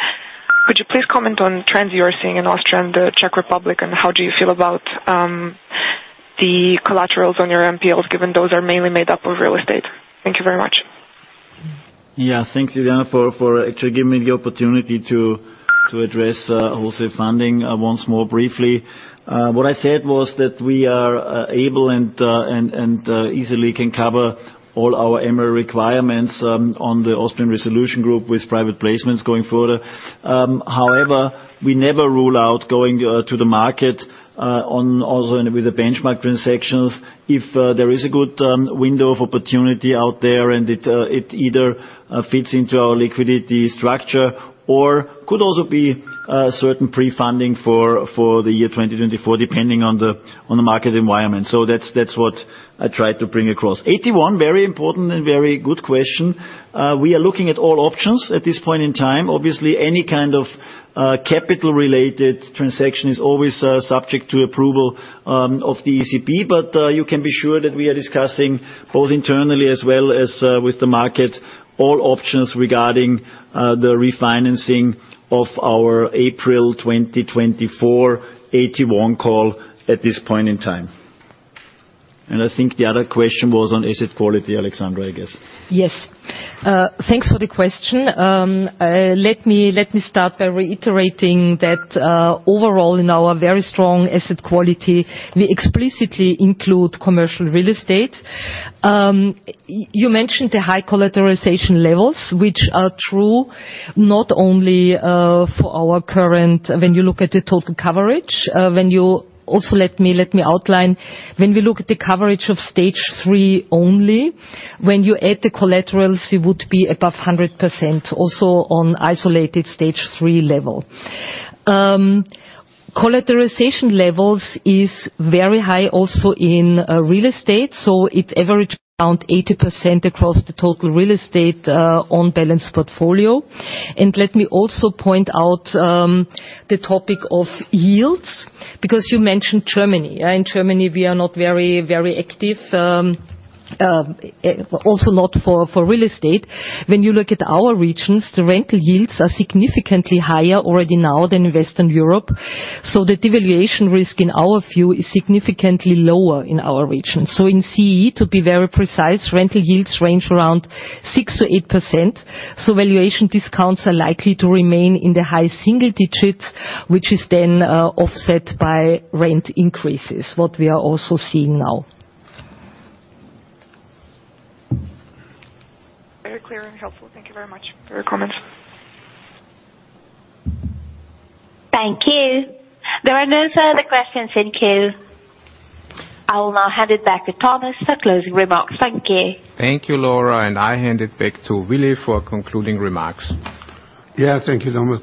S17: would you please comment on trends you are seeing in Austria and the Czech Republic, and how do you feel about the collaterals on your NPLs, given those are mainly made up of real estate? Thank you very much.
S4: Yeah. Thanks, Juliane, for for actually giving me the opportunity to address also funding once more briefly. What I said was that we are able and and easily can cover all our MREL requirements on the Austrian resolution group with private placements going further. However, we never rule out going to the market on also with the benchmark transactions, if there is a good window of opportunity out there and it it either fits into our liquidity structure, or could also be a certain pre-funding for the year 2024, depending on the on the market environment. That's, that's what I tried to bring across. AT1, very important and very good question. We are looking at all options at this point in time. Obviously, any kind of capital-related transaction is always subject to approval of the ECB. You can be sure that we are discussing both internally as well as with the market, all options regarding the refinancing of our April 2024 AT1 call at this point in time.
S2: I think the other question was on asset quality, Alexandra, I guess.
S5: Yes. Thanks for the question. Let me, let me start by reiterating that overall, in our very strong asset quality, we explicitly include commercial real estate. You mentioned the high collateralization levels, which are true not only for our current when you look at the total coverage, Also, let me, let me outline. When we look at the coverage of Stage 3 only, when you add the collaterals, it would be above 100%, also on isolated Stage 3 level. Collateralization levels is very high also in real estate, so it average around 80% across the total real estate on balance portfolio. Let me also point out the topic of yields, because you mentioned Germany. In Germany, we are not very, very active, also not for, for real estate. When you look at our regions, the rental yields are significantly higher already now than in Western Europe, so the devaluation risk, in our view, is significantly lower in our region. In CEE, to be very precise, rental yields range around 6%-8%, so valuation discounts are likely to remain in the high single digits, which is then offset by rent increases, what we are also seeing now.
S17: Very clear and helpful. Thank you very much for your comment.
S1: Thank you. There are no further questions in queue. I will now hand it back to Thomas for closing remarks. Thank you.
S2: Thank you, Laura, and I hand it back to Willi for concluding remarks.
S3: Yeah, thank you, Thomas.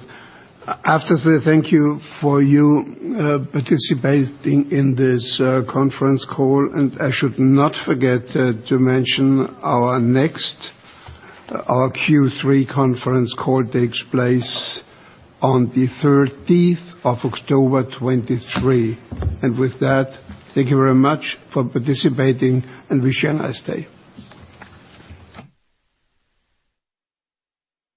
S3: After say thank you for you, participating in this conference call. I should not forget to mention our next, our Q3 conference call takes place on the 13th of October, 2023. With that, thank you very much for participating, and wish you a nice day.